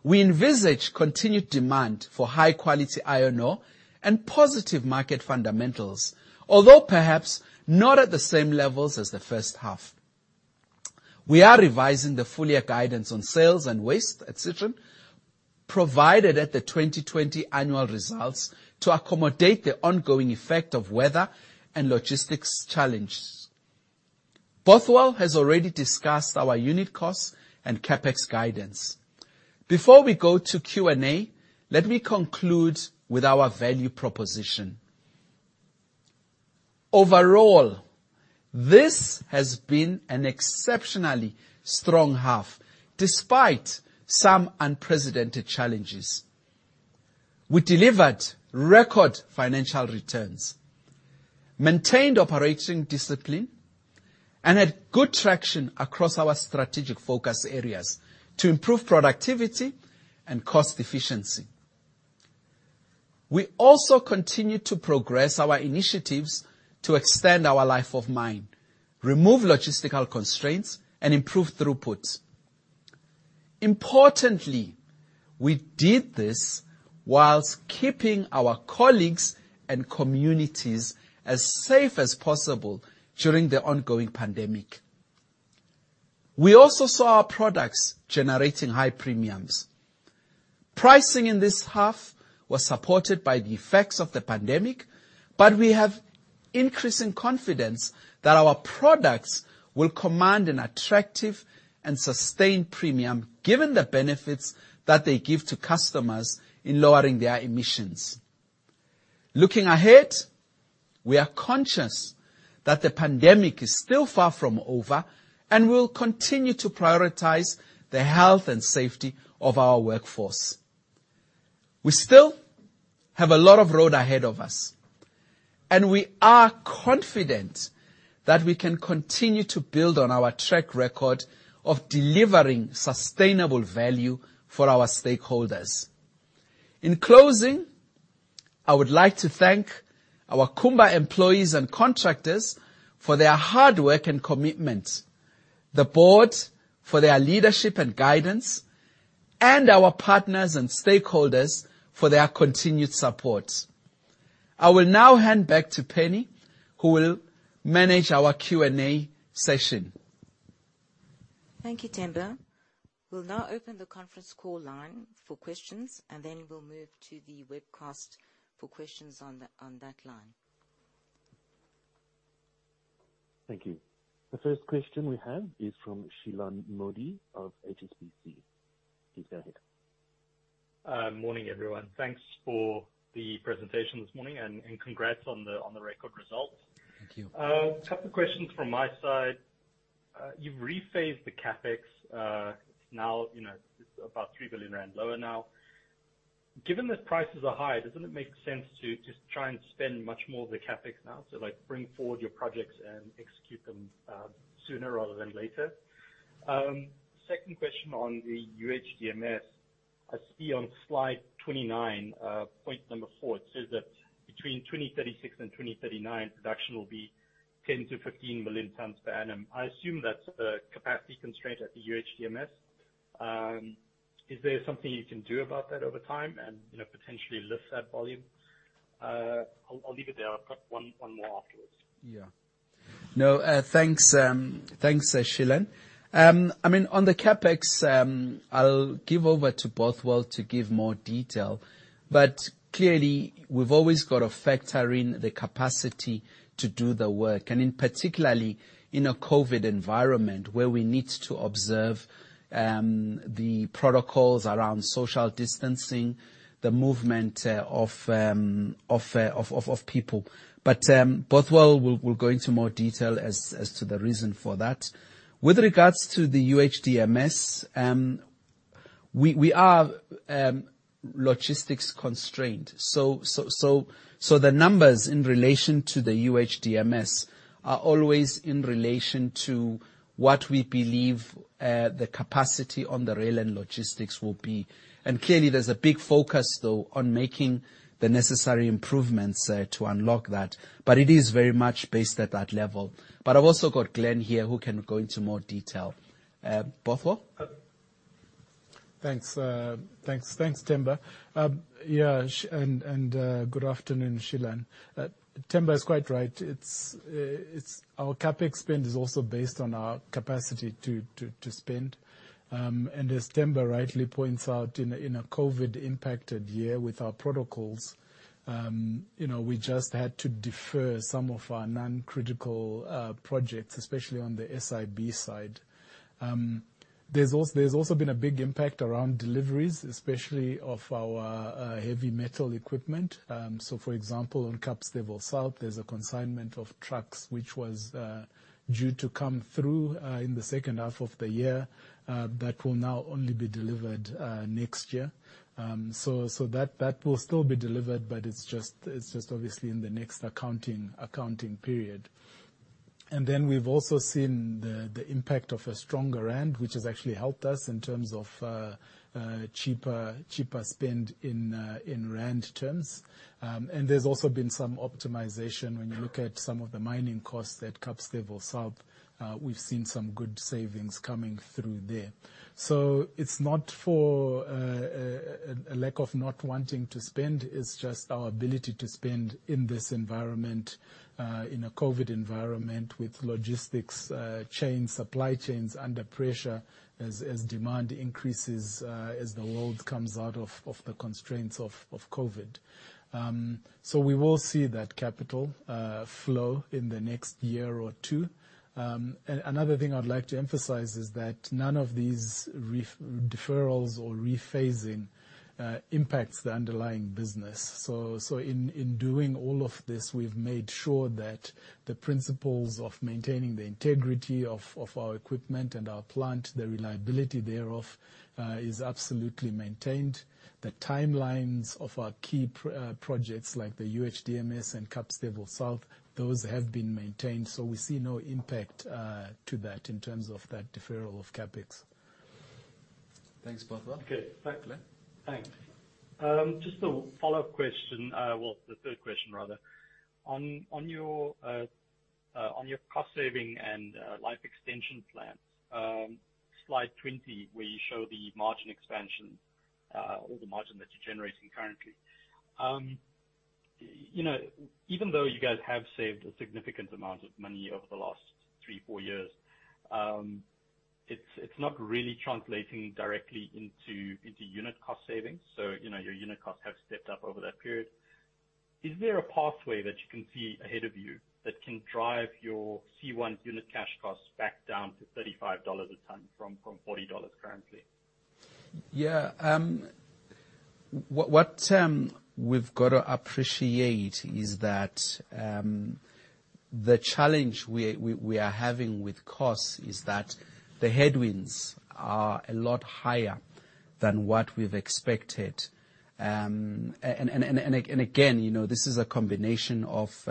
We envisage continued demand for high-quality iron ore and positive market fundamentals, although perhaps not at the same levels as the first half. We are revising the full year guidance on sales and waste at Sishen, provided at the 2020 annual results, to accommodate the ongoing effect of weather and logistics challenges. Bothwell has already discussed our unit costs and CapEx guidance. Before we go to Q&A, let me conclude with our value proposition. Overall, this has been an exceptionally strong half, despite some unprecedented challenges. We delivered record financial returns, maintained operating discipline, and had good traction across our strategic focus areas to improve productivity and cost efficiency. We also continued to progress our initiatives to extend our life of mine, remove logistical constraints, and improve throughput. Importantly, we did this while keeping our colleagues and communities as safe as possible during the ongoing pandemic. We also saw our products generating high premiums. Pricing in this half was supported by the effects of the pandemic, but we have increasing confidence that our products will command an attractive and sustained premium, given the benefits that they give to customers in lowering their emissions. Looking ahead, we are conscious that the pandemic is still far from over and will continue to prioritize the health and safety of our workforce. We still have a lot of road ahead of us, and we are confident that we can continue to build on our track record of delivering sustainable value for our stakeholders. In closing, I would like to thank our Kumba employees and contractors for their hard work and commitment, the board for their leadership and guidance, and our partners and stakeholders for their continued support. I will now hand back to Penny, who will manage our Q&A session. Thank you, Themba. We'll now open the conference call line for questions, and then we'll move to the webcast for questions on that line. Thank you. The first question we have is from Shilan Modi of HSBC. Please go ahead. Morning, everyone. Thanks for the presentation this morning, and congrats on the record result. Thank you. A couple questions from my side. You've rephased the CapEx. It's about 3 billion rand lower now. Given that prices are high, doesn't it make sense to just try and spend much more of the CapEx now? Like bring forward your projects and execute them sooner rather than later. Second question on the UHDMS. I see on Slide 29, point number four, it says that between 2036 and 2039, production will be 10 million-15 million tons per annum. I assume that's a capacity constraint at the UHDMS. Is there something you can do about that over time and, potentially lift that volume? I'll leave it there. I've got one more afterwards. Yeah. No, thanks, Shilan. On the CapEx, I will give over to Bothwell Mazarura to give more detail. Clearly, we have always got to factor in the capacity to do the work, and in particularly, in a COVID environment where we need to observe the protocols around social distancing, the movement of people. Bothwell Mazarura will go into more detail as to the reason for that. With regards to the UHDMS, we are logistics constrained. The numbers in relation to the UHDMS are always in relation to what we believe the capacity on the rail and logistics will be. Clearly, there is a big focus, though, on making the necessary improvements to unlock that. It is very much based at that level. I have also got Glenn here who can go into more detail. Bothwell Mazarura? Thanks. Thanks, Themba. Good afternoon, Shilan. Themba is quite right. Our CapEx spend is also based on our capacity to spend. As Themba rightly points out, in a COVID-impacted year with our protocols, we just had to defer some of our non-critical projects, especially on the SIB side. There's also been a big impact around deliveries, especially of our heavy metal equipment. For example, on Kapstevel South, there's a consignment of trucks which was due to come through in the second half of the year, that will now only be delivered next year. That will still be delivered, but it's just obviously in the next accounting period. We've also seen the impact of a stronger rand, which has actually helped us in terms of cheaper spend in rand terms. There's also been some optimization when you look at some of the mining costs at Kapstevel South. We've seen some good savings coming through there. It's not for a lack of not wanting to spend, it's just our ability to spend in this environment, in a COVID environment with logistics chains, supply chains under pressure as demand increases, as the world comes out of the constraints of COVID. We will see that capital flow in the next year or two. Another thing I'd like to emphasize is that none of these deferrals or rephasing impacts the underlying business. In doing all of this, we've made sure that the principles of maintaining the integrity of our equipment and our plant, the reliability thereof, is absolutely maintained. The timelines of our key projects like the UHDMS and Kapstevel South, those have been maintained. We see no impact to that in terms of that deferral of CapEx. Thanks, Bothwell. Okay. Glenn. Thanks. Just a follow-up question, well, the third question, rather. On your cost saving and life extension plans, Slide 20, where you show the margin expansion or the margin that you're generating currently. Even though you guys have saved a significant amount of money over the last three, four years, it's not really translating directly into unit cost savings. Your unit costs have stepped up over that period. Is there a pathway that you can see ahead of you that can drive your C1 unit cash costs back down to $35 a ton from $40 currently? Yeah. What we've got to appreciate is that the challenge we are having with costs is that the headwinds are a lot higher than what we've expected. Again, this is a combination of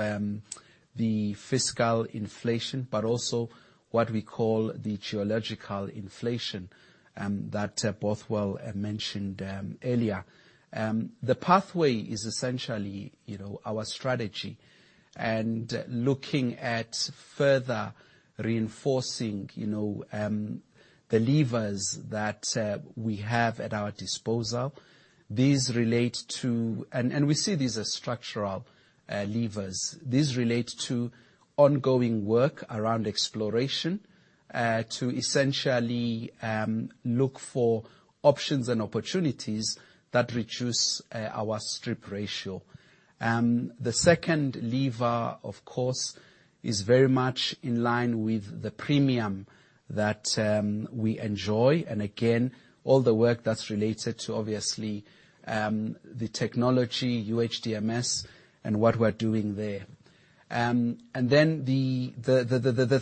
the fiscal inflation, but also what we call the geological inflation that Bothwell Mazarura mentioned earlier. The pathway is essentially our strategy and looking at further reinforcing the levers that we have at our disposal. We see these as structural levers. These relate to ongoing work around exploration. To essentially look for options and opportunities that reduce our strip ratio. The second lever, of course, is very much in line with the premium that we enjoy. Again, all the work that's related to obviously the technology, UHDMS and what we're doing there. The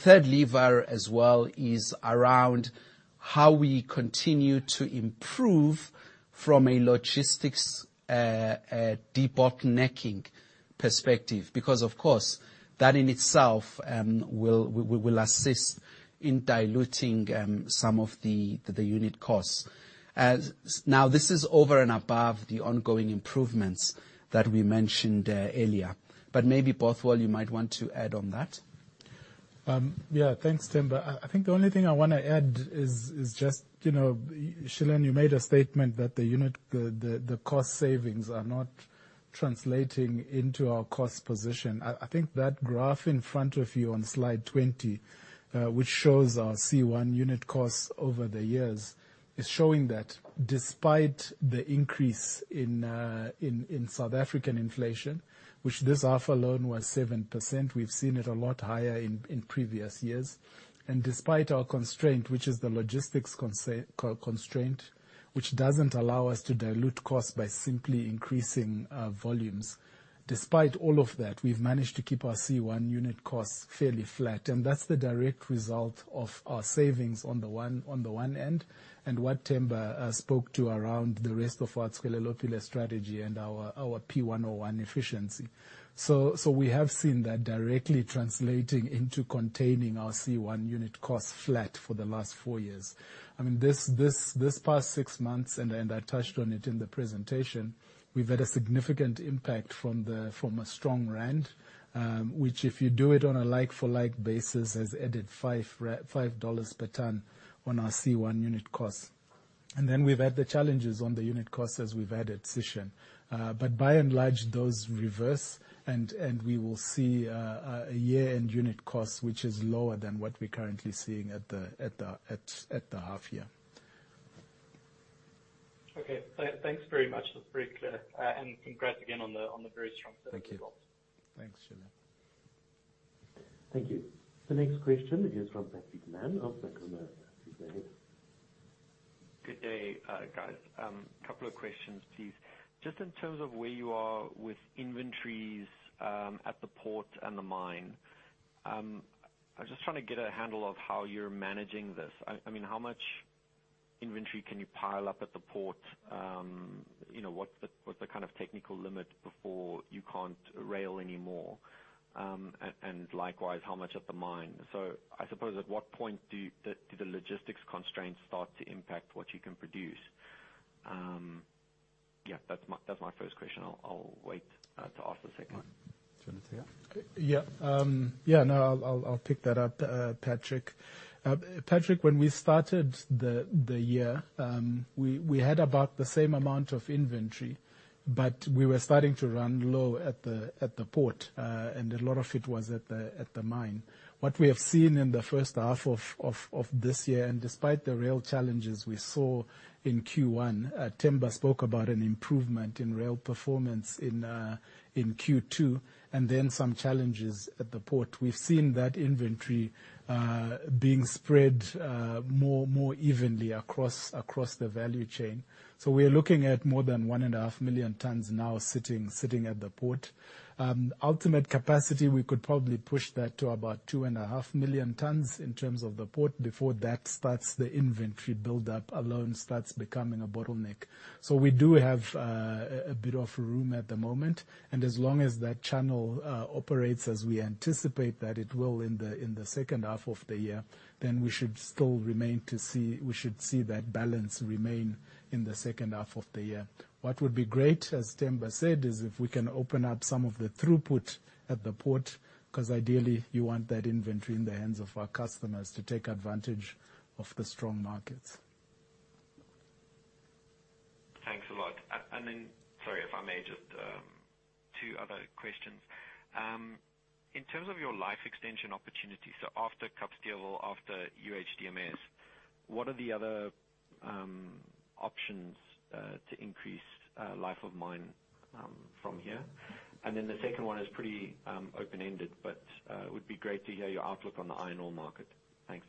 third lever as well is around how we continue to improve from a logistics debottlenecking perspective, because, of course, that in itself will assist in diluting some of the unit costs. This is over and above the ongoing improvements that we mentioned earlier. Maybe Bothwell, you might want to add on that. Yeah, thanks, Themba. I think the only thing I want to add is just, Shilan, you made a statement that the unit, the cost savings are not translating into our cost position. I think that graph in front of you on Slide 20, which shows our C1 unit costs over the years, is showing that despite the increase in South African inflation, which this half alone was 7%, we've seen it a lot higher in previous years. Despite our constraint, which is the logistics constraint, which doesn't allow us to dilute costs by simply increasing volumes. Despite all of that, we've managed to keep our C1 unit costs fairly flat, and that's the direct result of our savings on the one end, and what Themba spoke to around the rest of our Tswelelopele strategy and our P101 efficiency. We have seen that directly translating into containing our C1 unit cost flat for the last four years. This past six months, and I touched on it in the presentation, we've had a significant impact from a strong rand, which, if you do it on a like-for-like basis, has added $5 per ton on our C1 unit cost. We've had the challenges on the unit cost as we've added Sishen. By and large, those reverse, and we will see a year-end unit cost, which is lower than what we're currently seeing at the half-year. Okay, thanks very much. That's very clear. Congrats again on the very strong first half. Thank you. Thanks, Shilan. Thank you. The next question is from Patrick Mann of Berenberg. Go ahead. Good day, guys. A couple of questions, please. Just in terms of where you are with inventories at the port and the mine. I'm just trying to get a handle of how you're managing this. How much inventory can you pile up at the port? What's the kind of technical limit before you can't rail anymore? Likewise, how much at the mine? I suppose, at what point do the logistics constraints start to impact what you can produce? Yeah, that's my first question. I'll wait to ask the second one. Do you want to take that? Yeah. I'll pick that up, Patrick. Patrick, when we started the year, we had about the same amount of inventory, but we were starting to run low at the port, and a lot of it was at the mine. What we have seen in the first half of this year, and despite the rail challenges we saw in Q1, Themba spoke about an improvement in rail performance in Q2, and then some challenges at the port. We've seen that inventory being spread more evenly across the value chain. We're looking at more than 1.5 million tons now sitting at the port. Ultimate capacity, we could probably push that to about 2.5 million tons in terms of the port before that starts the inventory buildup alone starts becoming a bottleneck. We do have a bit of room at the moment, and as long as that channel operates as we anticipate that it will in the second half of the year, then we should see that balance remain in the second half of the year. What would be great, as Themba said, is if we can open up some of the throughput at the port, because ideally, you want that inventory in the hands of our customers to take advantage of the strong markets. Thanks a lot. Sorry, if I may, just two other questions. In terms of your life extension opportunities, after Kapstevel or after UHDMS, what are the other options to increase life of mine from here? The second one is pretty open-ended, it would be great to hear your outlook on the iron ore market. Thanks.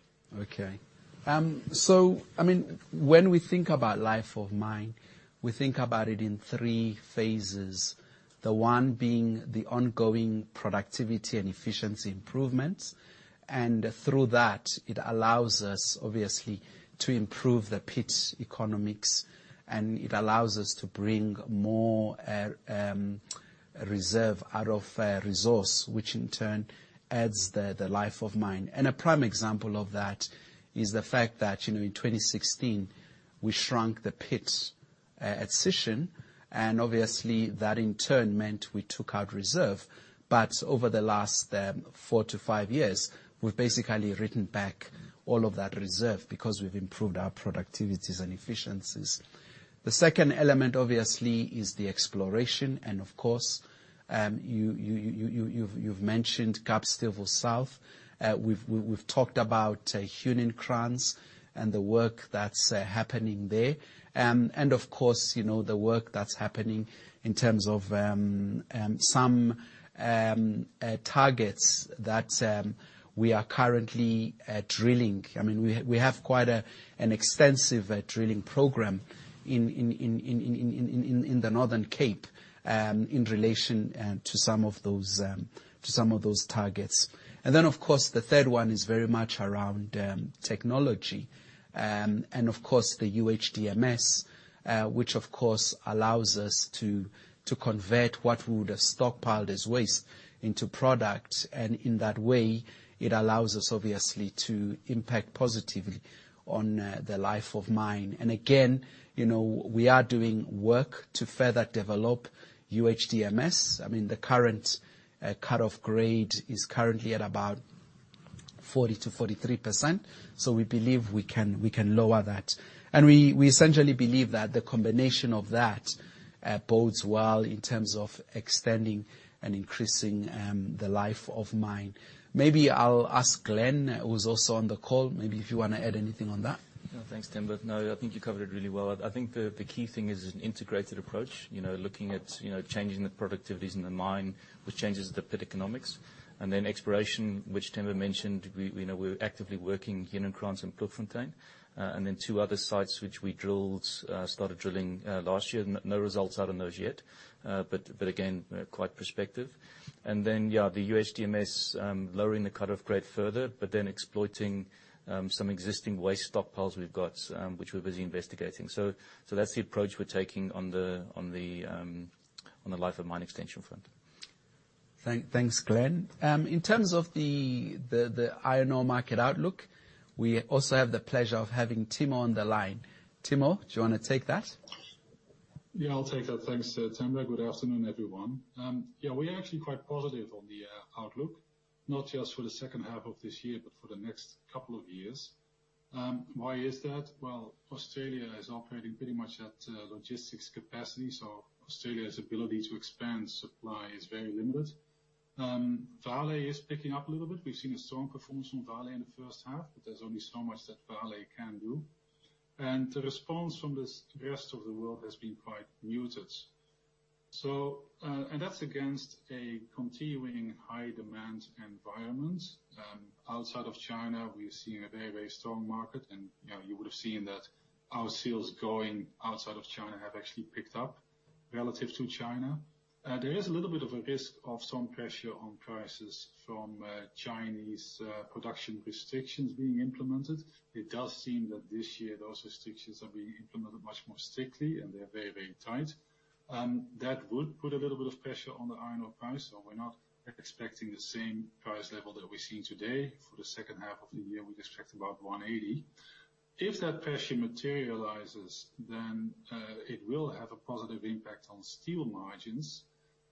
When we think about life of mine, we think about it in three phases. The one being the ongoing productivity and efficiency improvements. Through that, it allows us, obviously, to improve the pit economics, and it allows us to bring more reserve out of resource, which in turn adds the life of mine. A prime example of that is the fact that in 2016, we shrunk the pit at Sishen. And obviously, that in turn meant we took out reserve. Over the last four to five years, we've basically written back all of that reserve because we've improved our productivities and efficiencies. The second element, obviously, is the exploration. Of course, you've mentioned Kapstevel South. We've talked about Heuningkranz and the work that's happening there. Of course, the work that's happening in terms of some targets that we are currently drilling. We have quite an extensive drilling program in the Northern Cape in relation to some of those targets. The third one is very much around technology. The UHDMS, which, of course, allows us to convert what we would have stockpiled as waste into product, and in that way, it allows us, obviously, to impact positively on the life of mine. Again, we are doing work to further develop UHDMS. The current cutoff grade is currently at about 40%-43%, we believe we can lower that. We essentially believe that the combination of that bodes well in terms of extending and increasing the life of mine. Maybe I'll ask Glenn, who's also on the call, maybe if you want to add anything on that. Thanks, Themba. I think you covered it really well. I think the key thing is an integrated approach, looking at changing the productivities in the mine, which changes the pit economics. Exploration, which Themba mentioned, we're actively working Heuningkranz and Platfontein. Two other sites which we started drilling last year. No results out on those yet, but again, quite prospective. The UHDMS, lowering the cut-off grade further, but then exploiting some existing waste stockpiles we've got, which we're busy investigating. That's the approach we're taking on the life of mine extension front. Thanks, Glenn. In terms of the iron ore market outlook, we also have the pleasure of having Timo on the line. Timo, do you want to take that? Yeah, I'll take that. Thanks, Themba. Good afternoon, everyone. Yeah, we are actually quite positive on the outlook, not just for the second half of this year, but for the next couple of years. Why is that? Well, Australia is operating pretty much at logistics capacity, so Australia's ability to expand supply is very limited. Vale is picking up a little bit. We've seen a strong performance from Vale in the first half, but there's only so much that Vale can do. The response from the rest of the world has been quite muted. That's against a continuing high-demand environment. Outside of China, we're seeing a very, very strong market, and you would have seen that our sales going outside of China have actually picked up relative to China. There is a little bit of a risk of some pressure on prices from Chinese production restrictions being implemented. It does seem that this year those restrictions are being implemented much more strictly, and they're very, very tight. That would put a little bit of pressure on the iron ore price. We're not expecting the same price level that we're seeing today. For the second half of the year, we expect about $180. If that pressure materializes, it will have a positive impact on steel margins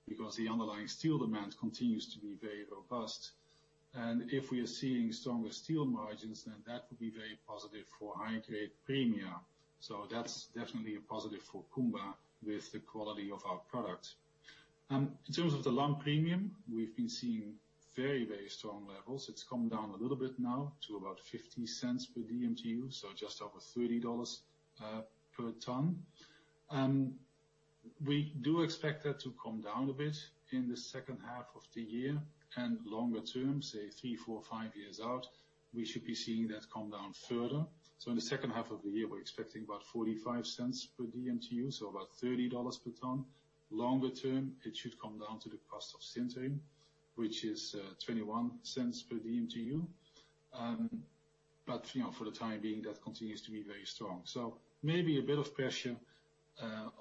because the underlying steel demand continues to be very robust. If we are seeing stronger steel margins, that would be very positive for high-grade premia. That's definitely a positive for Kumba with the quality of our product. In terms of the lump premium, we've been seeing very, very strong levels. It's come down a little bit now to about $0.50 per dmtu, just over $30 per ton. We do expect that to come down a bit in the second half of the year and longer-term, say three, four, five years out, we should be seeing that come down further. In the second half of the year, we're expecting about $0.45 per DMtu, so about $30 per ton. Longer-term, it should come down to the cost of sintering, which is $0.21 per DMtu. For the time being, that continues to be very strong. Maybe a bit of pressure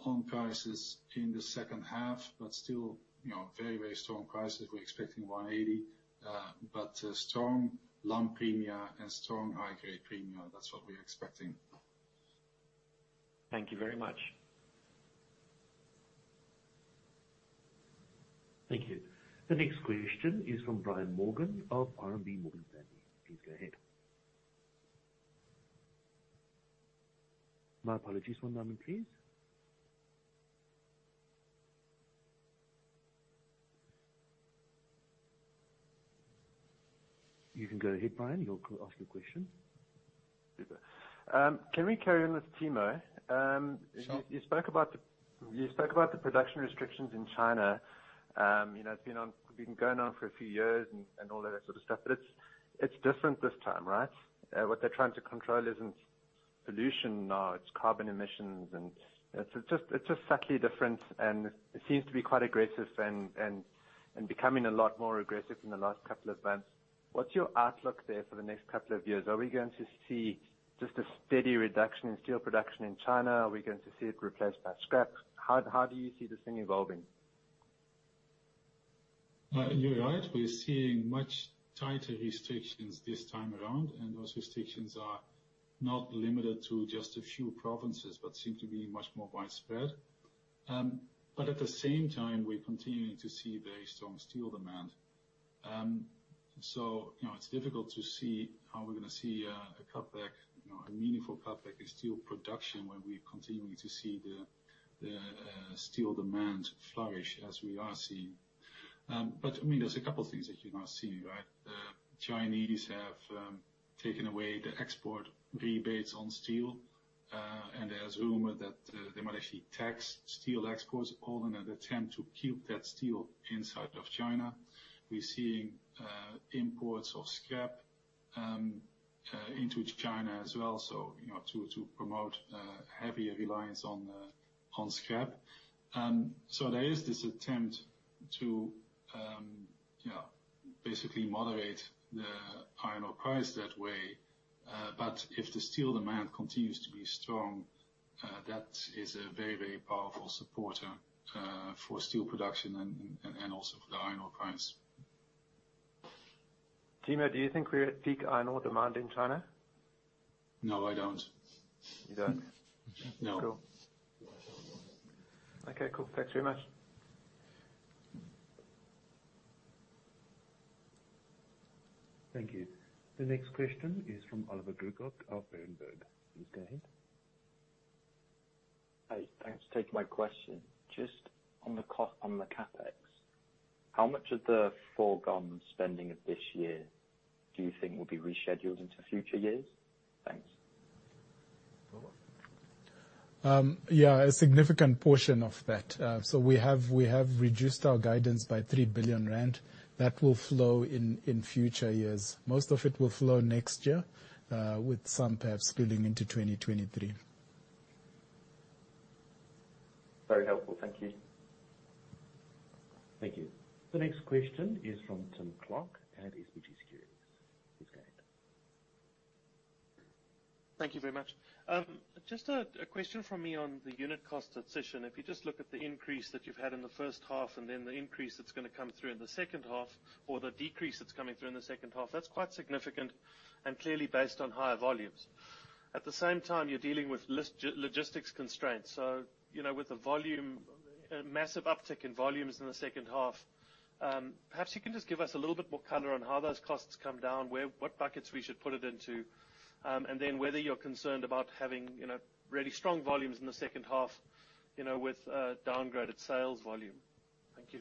on prices in the second half, but still very, very strong prices. We're expecting $180, but strong lump premia and strong high-grade premia, that's what we're expecting. Thank you very much. Thank you. The next question is from Brian Morgan of RMB Morgan Stanley. Please go ahead. My apologies. One moment, please. You can go ahead, Brian. You will ask your question. Super. Can we carry on with Timo? Sure. You spoke about the production restrictions in China. It's been going on for a few years and all of that sort of stuff, but it's different this time, right? What they're trying to control isn't pollution now, it's carbon emissions, and it's just slightly different, and it seems to be quite aggressive and becoming a lot more aggressive in the last couple of months. What's your outlook there for the next couple of years? Are we going to see just a steady reduction in steel production in China? Are we going to see it replaced by scrap? How do you see this thing evolving? You're right. We're seeing much tighter restrictions this time around, and those restrictions are not limited to just a few provinces, but seem to be much more widespread. At the same time, we're continuing to see very strong steel demand. It's difficult to see how we're going to see a meaningful cutback in steel production when we're continuing to see the steel demand flourish as we are seeing. There's a couple things that you're now seeing. The Chinese have taken away the export rebates on steel, and there's rumor that they might actually tax steel exports, all in an attempt to keep that steel inside of China. We're seeing imports of scrap into China as well, to promote a heavier reliance on scrap. There is this attempt to basically moderate the iron ore price that way. If the steel demand continues to be strong, that is a very powerful supporter for steel production and also for the iron ore price. Timo, do you think we're at peak iron ore demand in China? No, I don't. You don't? No. Cool. Okay, cool. Thanks very much. Thank you. The next question is from Oliver Glück of Berenberg. Please go ahead. Hey, thanks for taking my question. Just on the CapEx, how much of the foregone spending of this year do you think will be rescheduled into future years? Thanks. Oliver. Yeah. A significant portion of that. We have reduced our guidance by 3 billion rand. That will flow in future years. Most of it will flow next year, with some perhaps spilling into 2023. Very helpful. Thank you. Thank you. The next question is from Tim Clark at SBG Securities. Please go ahead. Thank you very much. Just a question from me on the unit cost at Sishen. If you just look at the increase that you've had in the first half, and then the increase that's going to come through in the second half, or the decrease that's coming through in the second half, that's quite significant and clearly based on higher volumes. At the same time, you're dealing with logistics constraints. With a massive uptick in volumes in the second half, perhaps you can just give us a little bit more color on how those costs come down, what buckets we should put it into, and then whether you're concerned about having really strong volumes in the second half, with downgraded sales volume. Thank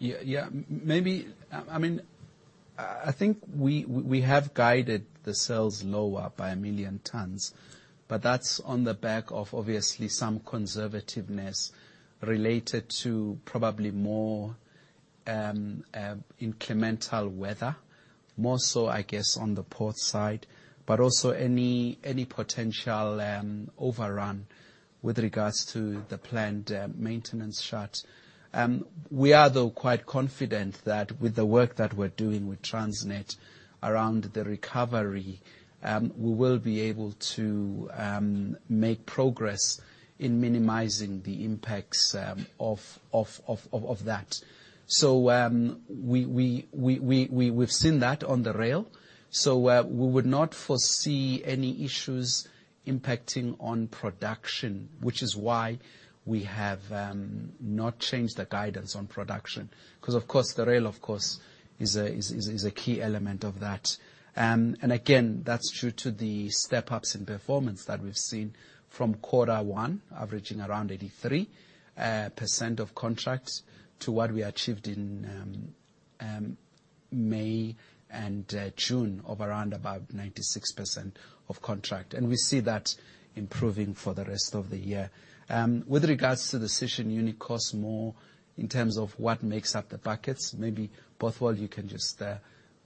you. Yeah. I think we have guided the sales lower by 1 million tons, that's on the back of obviously some conservativeness related to probably more inclemental weather, more so I guess on the port side. Also any potential overrun with regards to the planned maintenance shut. We are, though, quite confident that with the work that we're doing with Transnet around the recovery, we will be able to make progress in minimizing the impacts of that. We've seen that on the rail, so we would not foresee any issues impacting on production, which is why we have not changed the guidance on production. The rail, of course, is a key element of that. Again, that's due to the step-ups in performance that we've seen from quarter one, averaging around 83% of contracts, to what we achieved in May and June of around about 96% of contract. We see that improving for the rest of the year. With regards to the Sishen unit cost more in terms of what makes up the buckets, maybe Bothwell you can just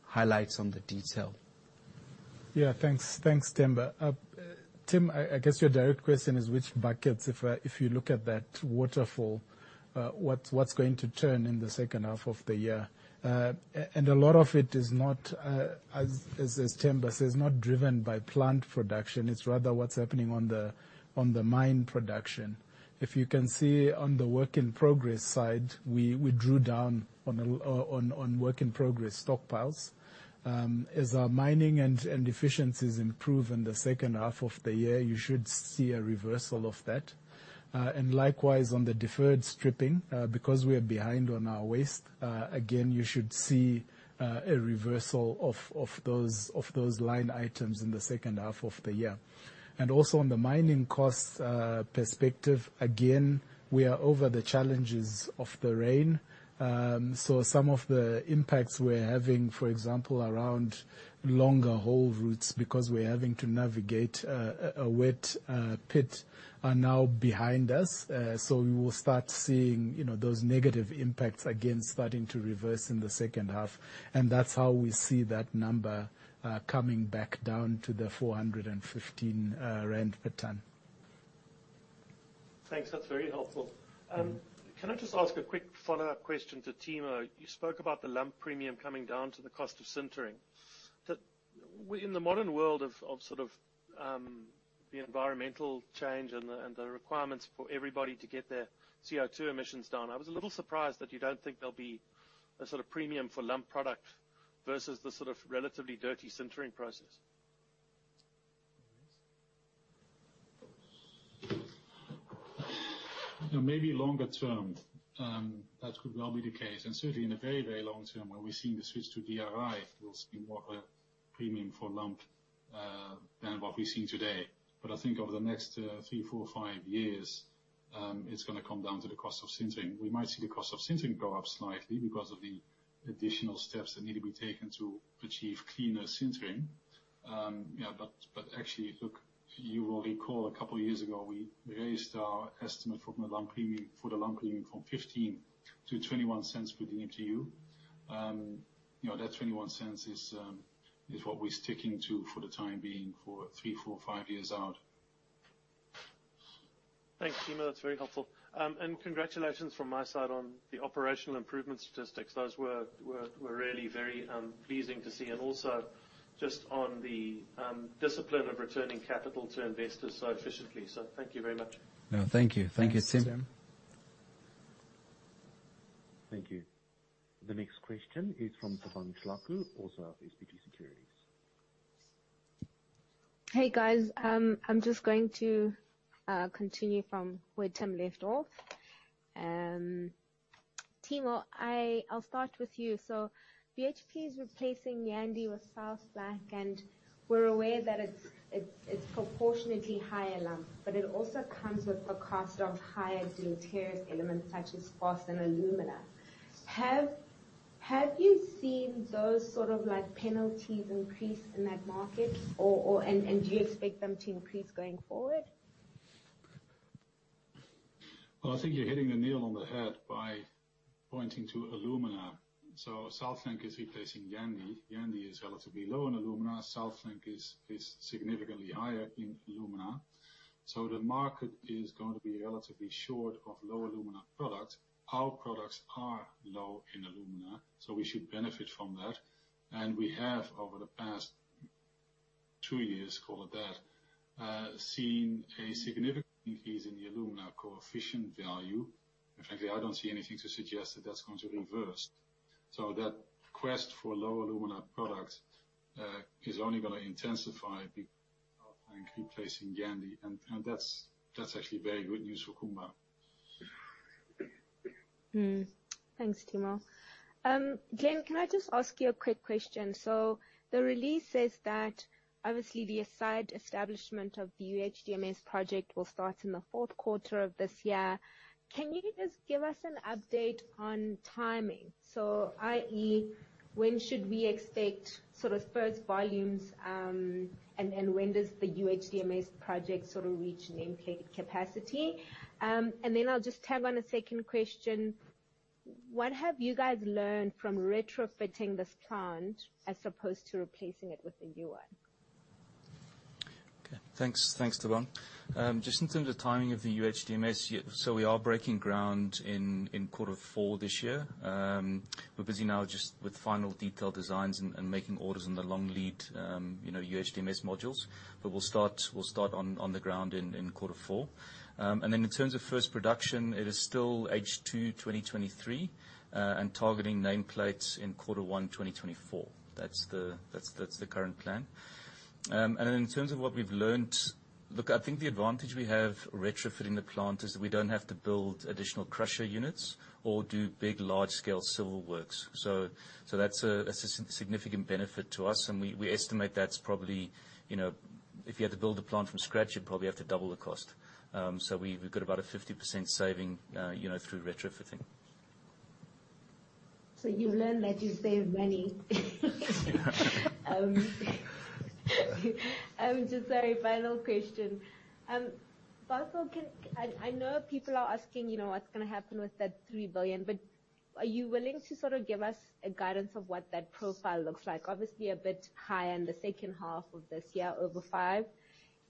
highlight some of the detail. Yeah, thanks, Themba. Tim, I guess your direct question is which buckets, if you look at that waterfall, what's going to turn in the second half of the year. A lot of it is not, as Themba says, not driven by plant production, it's rather what's happening on the mine production. If you can see on the work in progress side, we drew down on work in progress stockpiles. As our mining and efficiencies improve in the second half of the year, you should see a reversal of that. Likewise, on the deferred stripping, because we are behind on our waste, again, you should see a reversal of those line items in the second half of the year. Also on the mining cost perspective, again, we are over the challenges of the rain. Some of the impacts we're having, for example, around longer haul routes because we're having to navigate a wet pit, are now behind us. We will start seeing those negative impacts again starting to reverse in the second half, and that's how we see that number coming back down to the 415 rand per ton. Thanks. That's very helpful. Can I just ask a quick follow-up question to Timo? You spoke about the lump premium coming down to the cost of sintering. That in the modern world of sort of the environmental change and the requirements for everybody to get their CO2 emissions down, I was a little surprised that you don't think there'll be a sort of premium for lump product versus the sort of relatively dirty sintering process. You know, maybe longer-term, that could well be the case, and certainly in the very, very long-term where we're seeing the switch to DRI, there'll be more of a premium for lump than what we're seeing today. I think over the next three, four, five years, it's going to come down to the cost of sintering. We might see the cost of sintering go up slightly because of the additional steps that need to be taken to achieve cleaner sintering. Yeah, but actually, look, you will recall a couple of years ago, we raised our estimate for the lump premium from 0.15-0.21 for the dmtu. That 0.21 is what we're sticking to for the time being for three, four, five years out. Thanks, Timo. That's very helpful. Congratulations from my side on the operational improvement statistics. Those were really very pleasing to see, and also just on the discipline of returning capital to investors so efficiently. Thank you very much. No, thank you. Thank you, Tim. Thanks, Tim. Thank you. The next question is from Thabang Thlaku, also of SBG Securities. Hey, guys. I'm just going to continue from where Tim left off. Timo, I'll start with you. BHP is replacing Yandi with South Flank, and we're aware that it's proportionately higher lump, but it also comes with a cost of higher deleterious elements such as phos and alumina. Have you seen those sort of penalties increase in that market, and do you expect them to increase going forward? Well, I think you're hitting the nail on the head by pointing to alumina. South Flank is replacing Yandi. Yandi is relatively low in alumina. South Flank is significantly higher in alumina. The market is going to be relatively short of low alumina products. Our products are low in alumina, so we should benefit from that. We have, over the past two years, call it that, seen a significant increase in the alumina coefficient value. Frankly, I don't see anything to suggest that that's going to reverse. That quest for low alumina products is only going to intensify because of South Flank replacing Yandi, and that's actually very good news for Kumba. Thanks, Timo. Glenn, can I just ask you a quick question? The release says that obviously the site establishment of the UHDMS project will start in the fourth quarter of this year. Can you just give us an update on timing? I.e., when should we expect sort of first volumes, and when does the UHDMS project sort of reach nameplate capacity? I'll just tag on a second question. What have you guys learned from retrofitting this plant as opposed to replacing it with a new one? Okay. Thanks, Thabang. Just in terms of timing of the UHDMS, we are breaking ground in quarter four this year. We're busy now just with final detailed designs and making orders in the long lead UHDMS modules. We'll start on the ground in quarter four. In terms of first production, it is still H2 2023, and targeting nameplates in quarter one 2024. That's the current plan. In terms of what we've learned, look, I think the advantage we have retrofitting the plant is that we don't have to build additional crusher units or do big, large-scale civil works. That's a significant benefit to us, and we estimate that's probably, if you had to build a plant from scratch, you'd probably have to double the cost. We've got about a 50% saving through retrofitting. You've learned that you save money. Just, sorry, final question. Both of you, I know people are asking, what's going to happen with that 3 billion, are you willing to sort of give us a guidance of what that profile looks like? Obviously, a bit higher in the second half of this year, over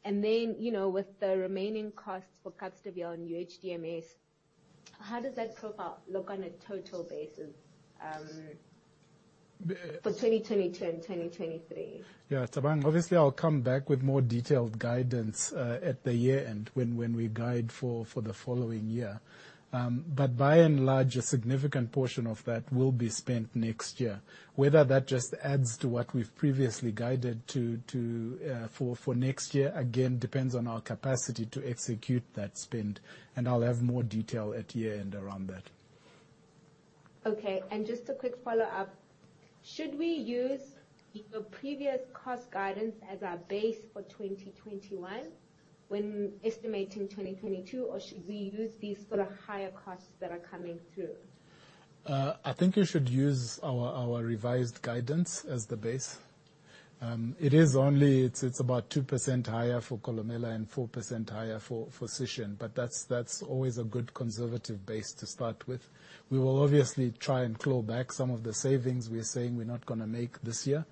5. With the remaining costs for Kapstevel and UHDMS, how does that profile look on a total basis for 2022 and 2023? Yeah, Thabang, obviously, I'll come back with more detailed guidance at the year-end when we guide for the following year. By and large, a significant portion of that will be spent next year. Whether that just adds to what we've previously guided for next year, again, depends on our capacity to execute that spend, and I'll have more detail at year-end around that. Okay. Just a quick follow-up. Should we use your previous cost guidance as our base for 2021 when estimating 2022, or should we use these sort of higher costs that are coming through? I think you should use our revised guidance as the base. It's about 2% higher for Kolomela and 4% higher for Sishen. That's always a good conservative base to start with. We will obviously try and claw back some of the savings we're saying we're not going to make this year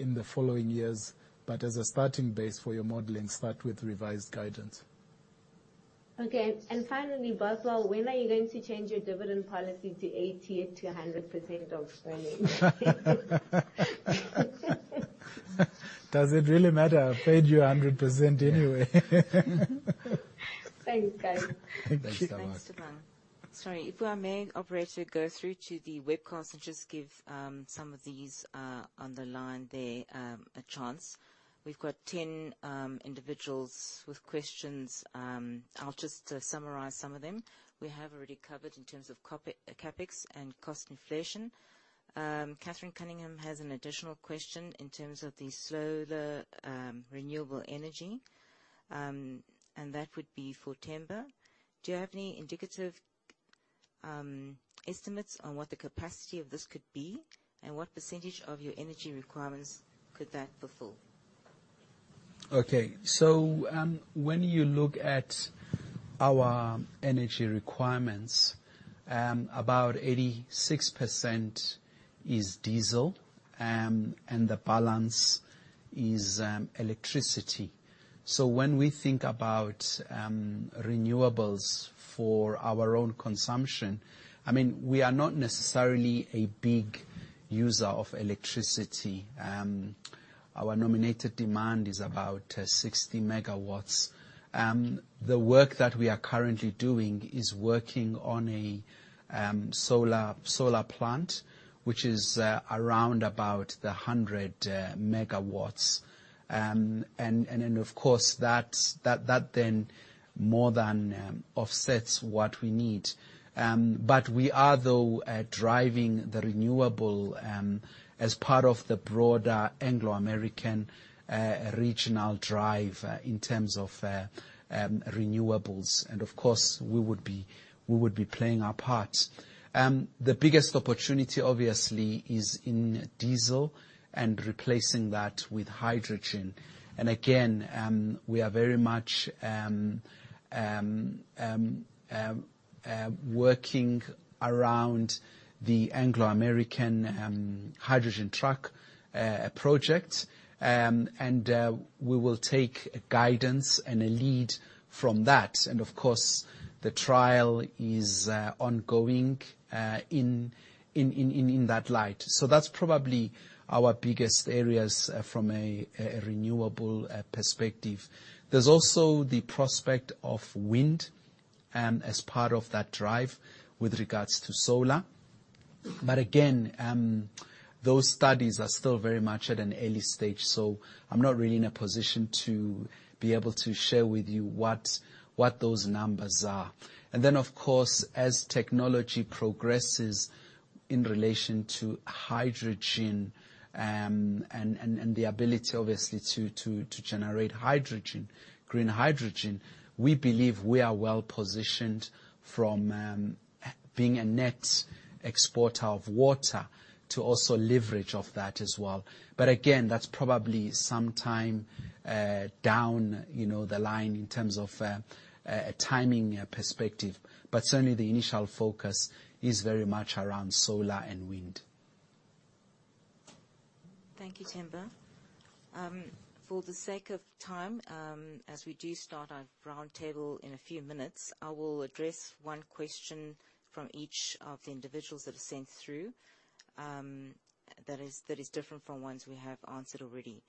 in the following years. As a starting base for your modeling, start with revised guidance. Okay. Finally, Bothwell, when are you going to change your dividend policy to 80%-100% of earnings? Does it really matter? I paid you 100% anyway. Thanks. Thank you. Thanks, Sivan. Sorry. If I may, operator, go through to the webcast and just give some of these on the line there a chance. We've got 10 individuals with questions. I'll just summarize some of them. We have already covered in terms of CapEx and cost inflation. Catherine Cunningham has an additional question in terms of the solar renewable energy, and that would be for Themba. Do you have any indicative estimates on what the capacity of this could be, and what percentage of your energy requirements could that fulfill? Okay. When you look at our energy requirements, about 86% is diesel, and the balance is electricity. When we think about renewables for our own consumption, we are not necessarily a big user of electricity. Our nominated demand is about 60 MW. The work that we are currently doing is working on a solar plant, which is around about 100 MW. Then, of course, that then more than offsets what we need. We are, though, driving the renewable as part of the broader Anglo American regional drive in terms of renewables. Of course, we would be playing our part. The biggest opportunity, obviously, is in diesel and replacing that with hydrogen. Again, we are very much working around the Anglo American hydrogen truck Project. We will take guidance and a lead from that. Of course, the trial is ongoing in that light. That's probably our biggest areas from a renewable perspective. There's also the prospect of wind as part of that drive with regards to solar. Again, those studies are still very much at an early stage, so I'm not really in a position to be able to share with you what those numbers are. Then, of course, as technology progresses in relation to hydrogen and the ability, obviously, to generate hydrogen, green hydrogen, we believe we are well-positioned from being a net exporter of water to also leverage off that as well. Again, that's probably some time down the line in terms of a timing perspective. Certainly, the initial focus is very much around solar and wind. Thank you, Themba. For the sake of time, as we do start our roundtable in a few minutes, I will address one question from each of the individuals that have sent through that is different from ones we have answered already.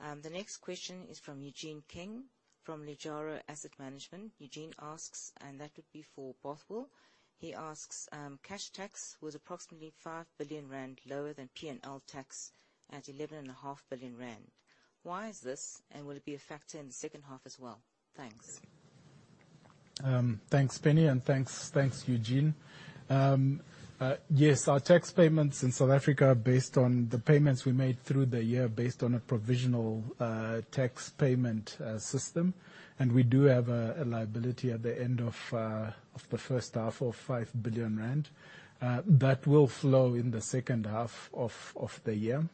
The next question is from Eugene King from Legae Asset Management. Eugene asks, and that would be for Bothwell Mazarura. He asks, cash tax was approximately 5 billion rand lower than P&L tax at 11.5 billion rand. Why is this, and will it be a factor in the second half as well? Thanks. Thanks, Penny, and thanks, Eugene. Yes, our tax payments in South Africa are based on the payments we made through the year based on a provisional tax payment system. We do have a liability at the end of the first half of 5 billion rand. That will flow in the second half of the year.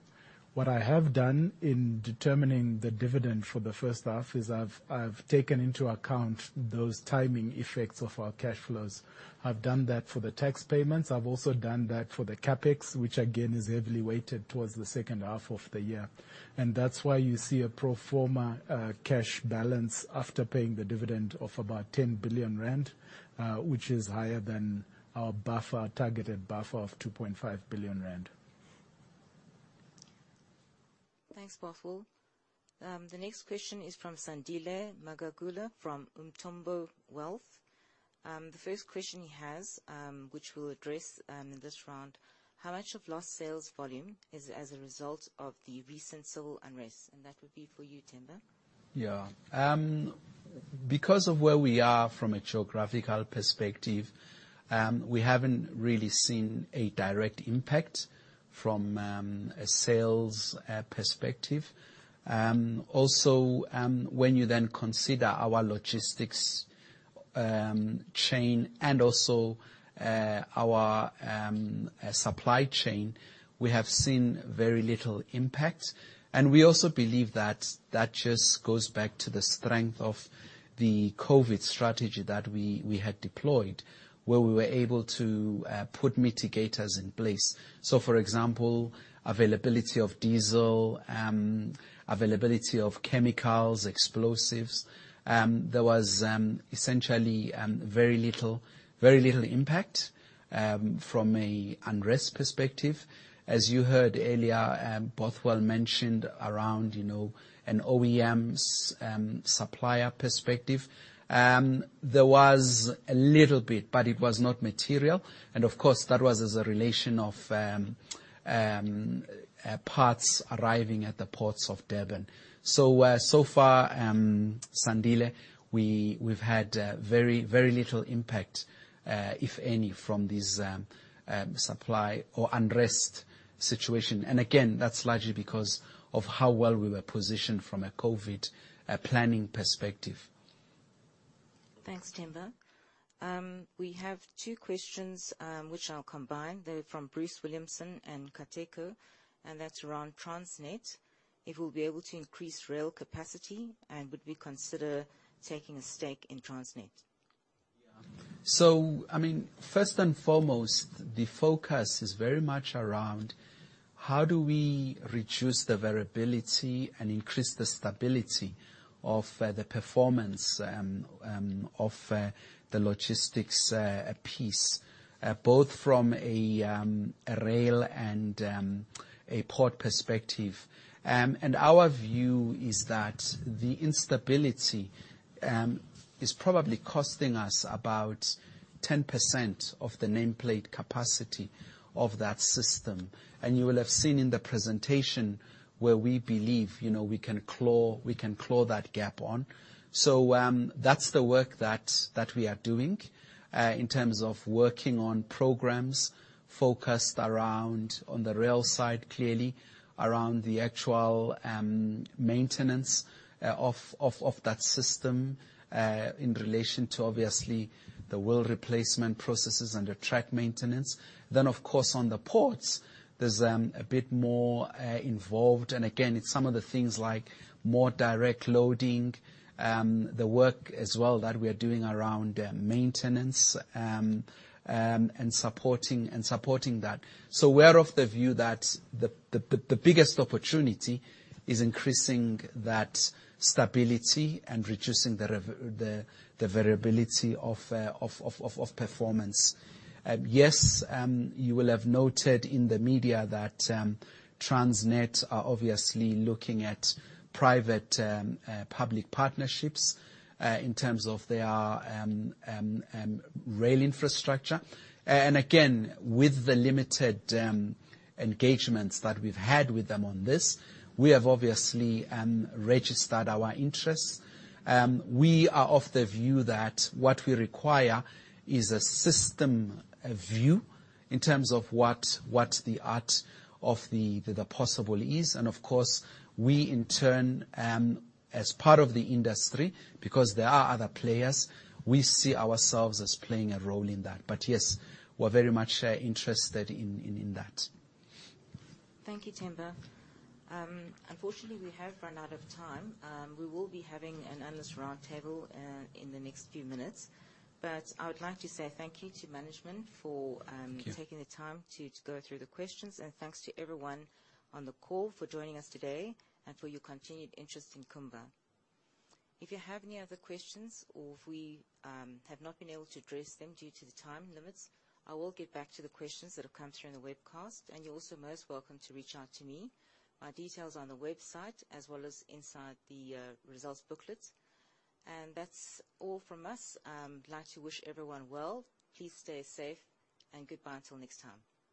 What I have done in determining the dividend for the first half is I've taken into account those timing effects of our cash flows. I've done that for the tax payments. I've also done that for the CapEx, which again, is heavily weighted towards the second half of the year. That's why you see a pro forma cash balance after paying the dividend of about 10 billion rand, which is higher than our buffer, targeted buffer of 2.5 billion rand. Thanks, Bothwell. The next question is from Sandile Magagula from Umthombo Wealth. The first question he has, which we'll address in this round, how much of lost sales volume is as a result of the recent civil unrest? That would be for you, Themba. Yeah. Because of where we are from a geographical perspective, we haven't really seen a direct impact from a sales perspective. When you then consider our logistics chain and also our supply chain, we have seen very little impact. We also believe that just goes back to the strength of the COVID strategy that we had deployed, where we were able to put mitigators in place. For example, availability of diesel, availability of chemicals, explosives. There was essentially very little impact from a unrest perspective. As you heard earlier, Bothwell Mazarura mentioned around an OEM's supplier perspective. There was a little bit, but it was not material. Of course, that was as a relation of parts arriving at the ports of Durban. So far, Sandile, we've had very little impact, if any, from this supply or unrest situation. Again, that's largely because of how well we were positioned from a COVID planning perspective. Thanks, Themba. We have two questions, which I'll combine. They're from Bruce Williamson and Kateco, and that's around Transnet. If we'll be able to increase rail capacity, and would we consider taking a stake in Transnet? Yeah. First and foremost, the focus is very much around how do we reduce the variability and increase the stability of the performance of the logistics piece, both from a rail and a port perspective. Our view is that the instability is probably costing us about 10% of the nameplate capacity of that system. You will have seen in the presentation where we believe we can claw that gap on. That's the work that we are doing in terms of working on programs focused around on the rail side, clearly, around the actual maintenance of that system in relation to, obviously, the wheel replacement processes and the track maintenance. Of course, on the ports, there's a bit more involved. Again, it's some of the things like more direct loading, the work as well that we are doing around maintenance, and supporting that. We're of the view that the biggest opportunity is increasing that stability and reducing the variability of performance. Yes, you will have noted in the media that Transnet are obviously looking at private-public partnerships in terms of their rail infrastructure. Again, with the limited engagements that we've had with them on this, we have obviously registered our interest. We are of the view that what we require is a system view in terms of what the art of the possible is. Of course, we, in turn, as part of the industry, because there are other players, we see ourselves as playing a role in that. Yes, we're very much interested in that. Thank you, Themba. Unfortunately, we have run out of time. We will be having an analyst roundtable in the next few minutes. I would like to say thank you to management. Thank you. Taking the time to go through the questions. Thanks to everyone on the call for joining us today and for your continued interest in Kumba. If you have any other questions or if we have not been able to address them due to the time limits, I will get back to the questions that have come through on the webcast. You're also most welcome to reach out to me. My details are on the website as well as inside the results booklet. That's all from us. I'd like to wish everyone well. Please stay safe, and goodbye until next time.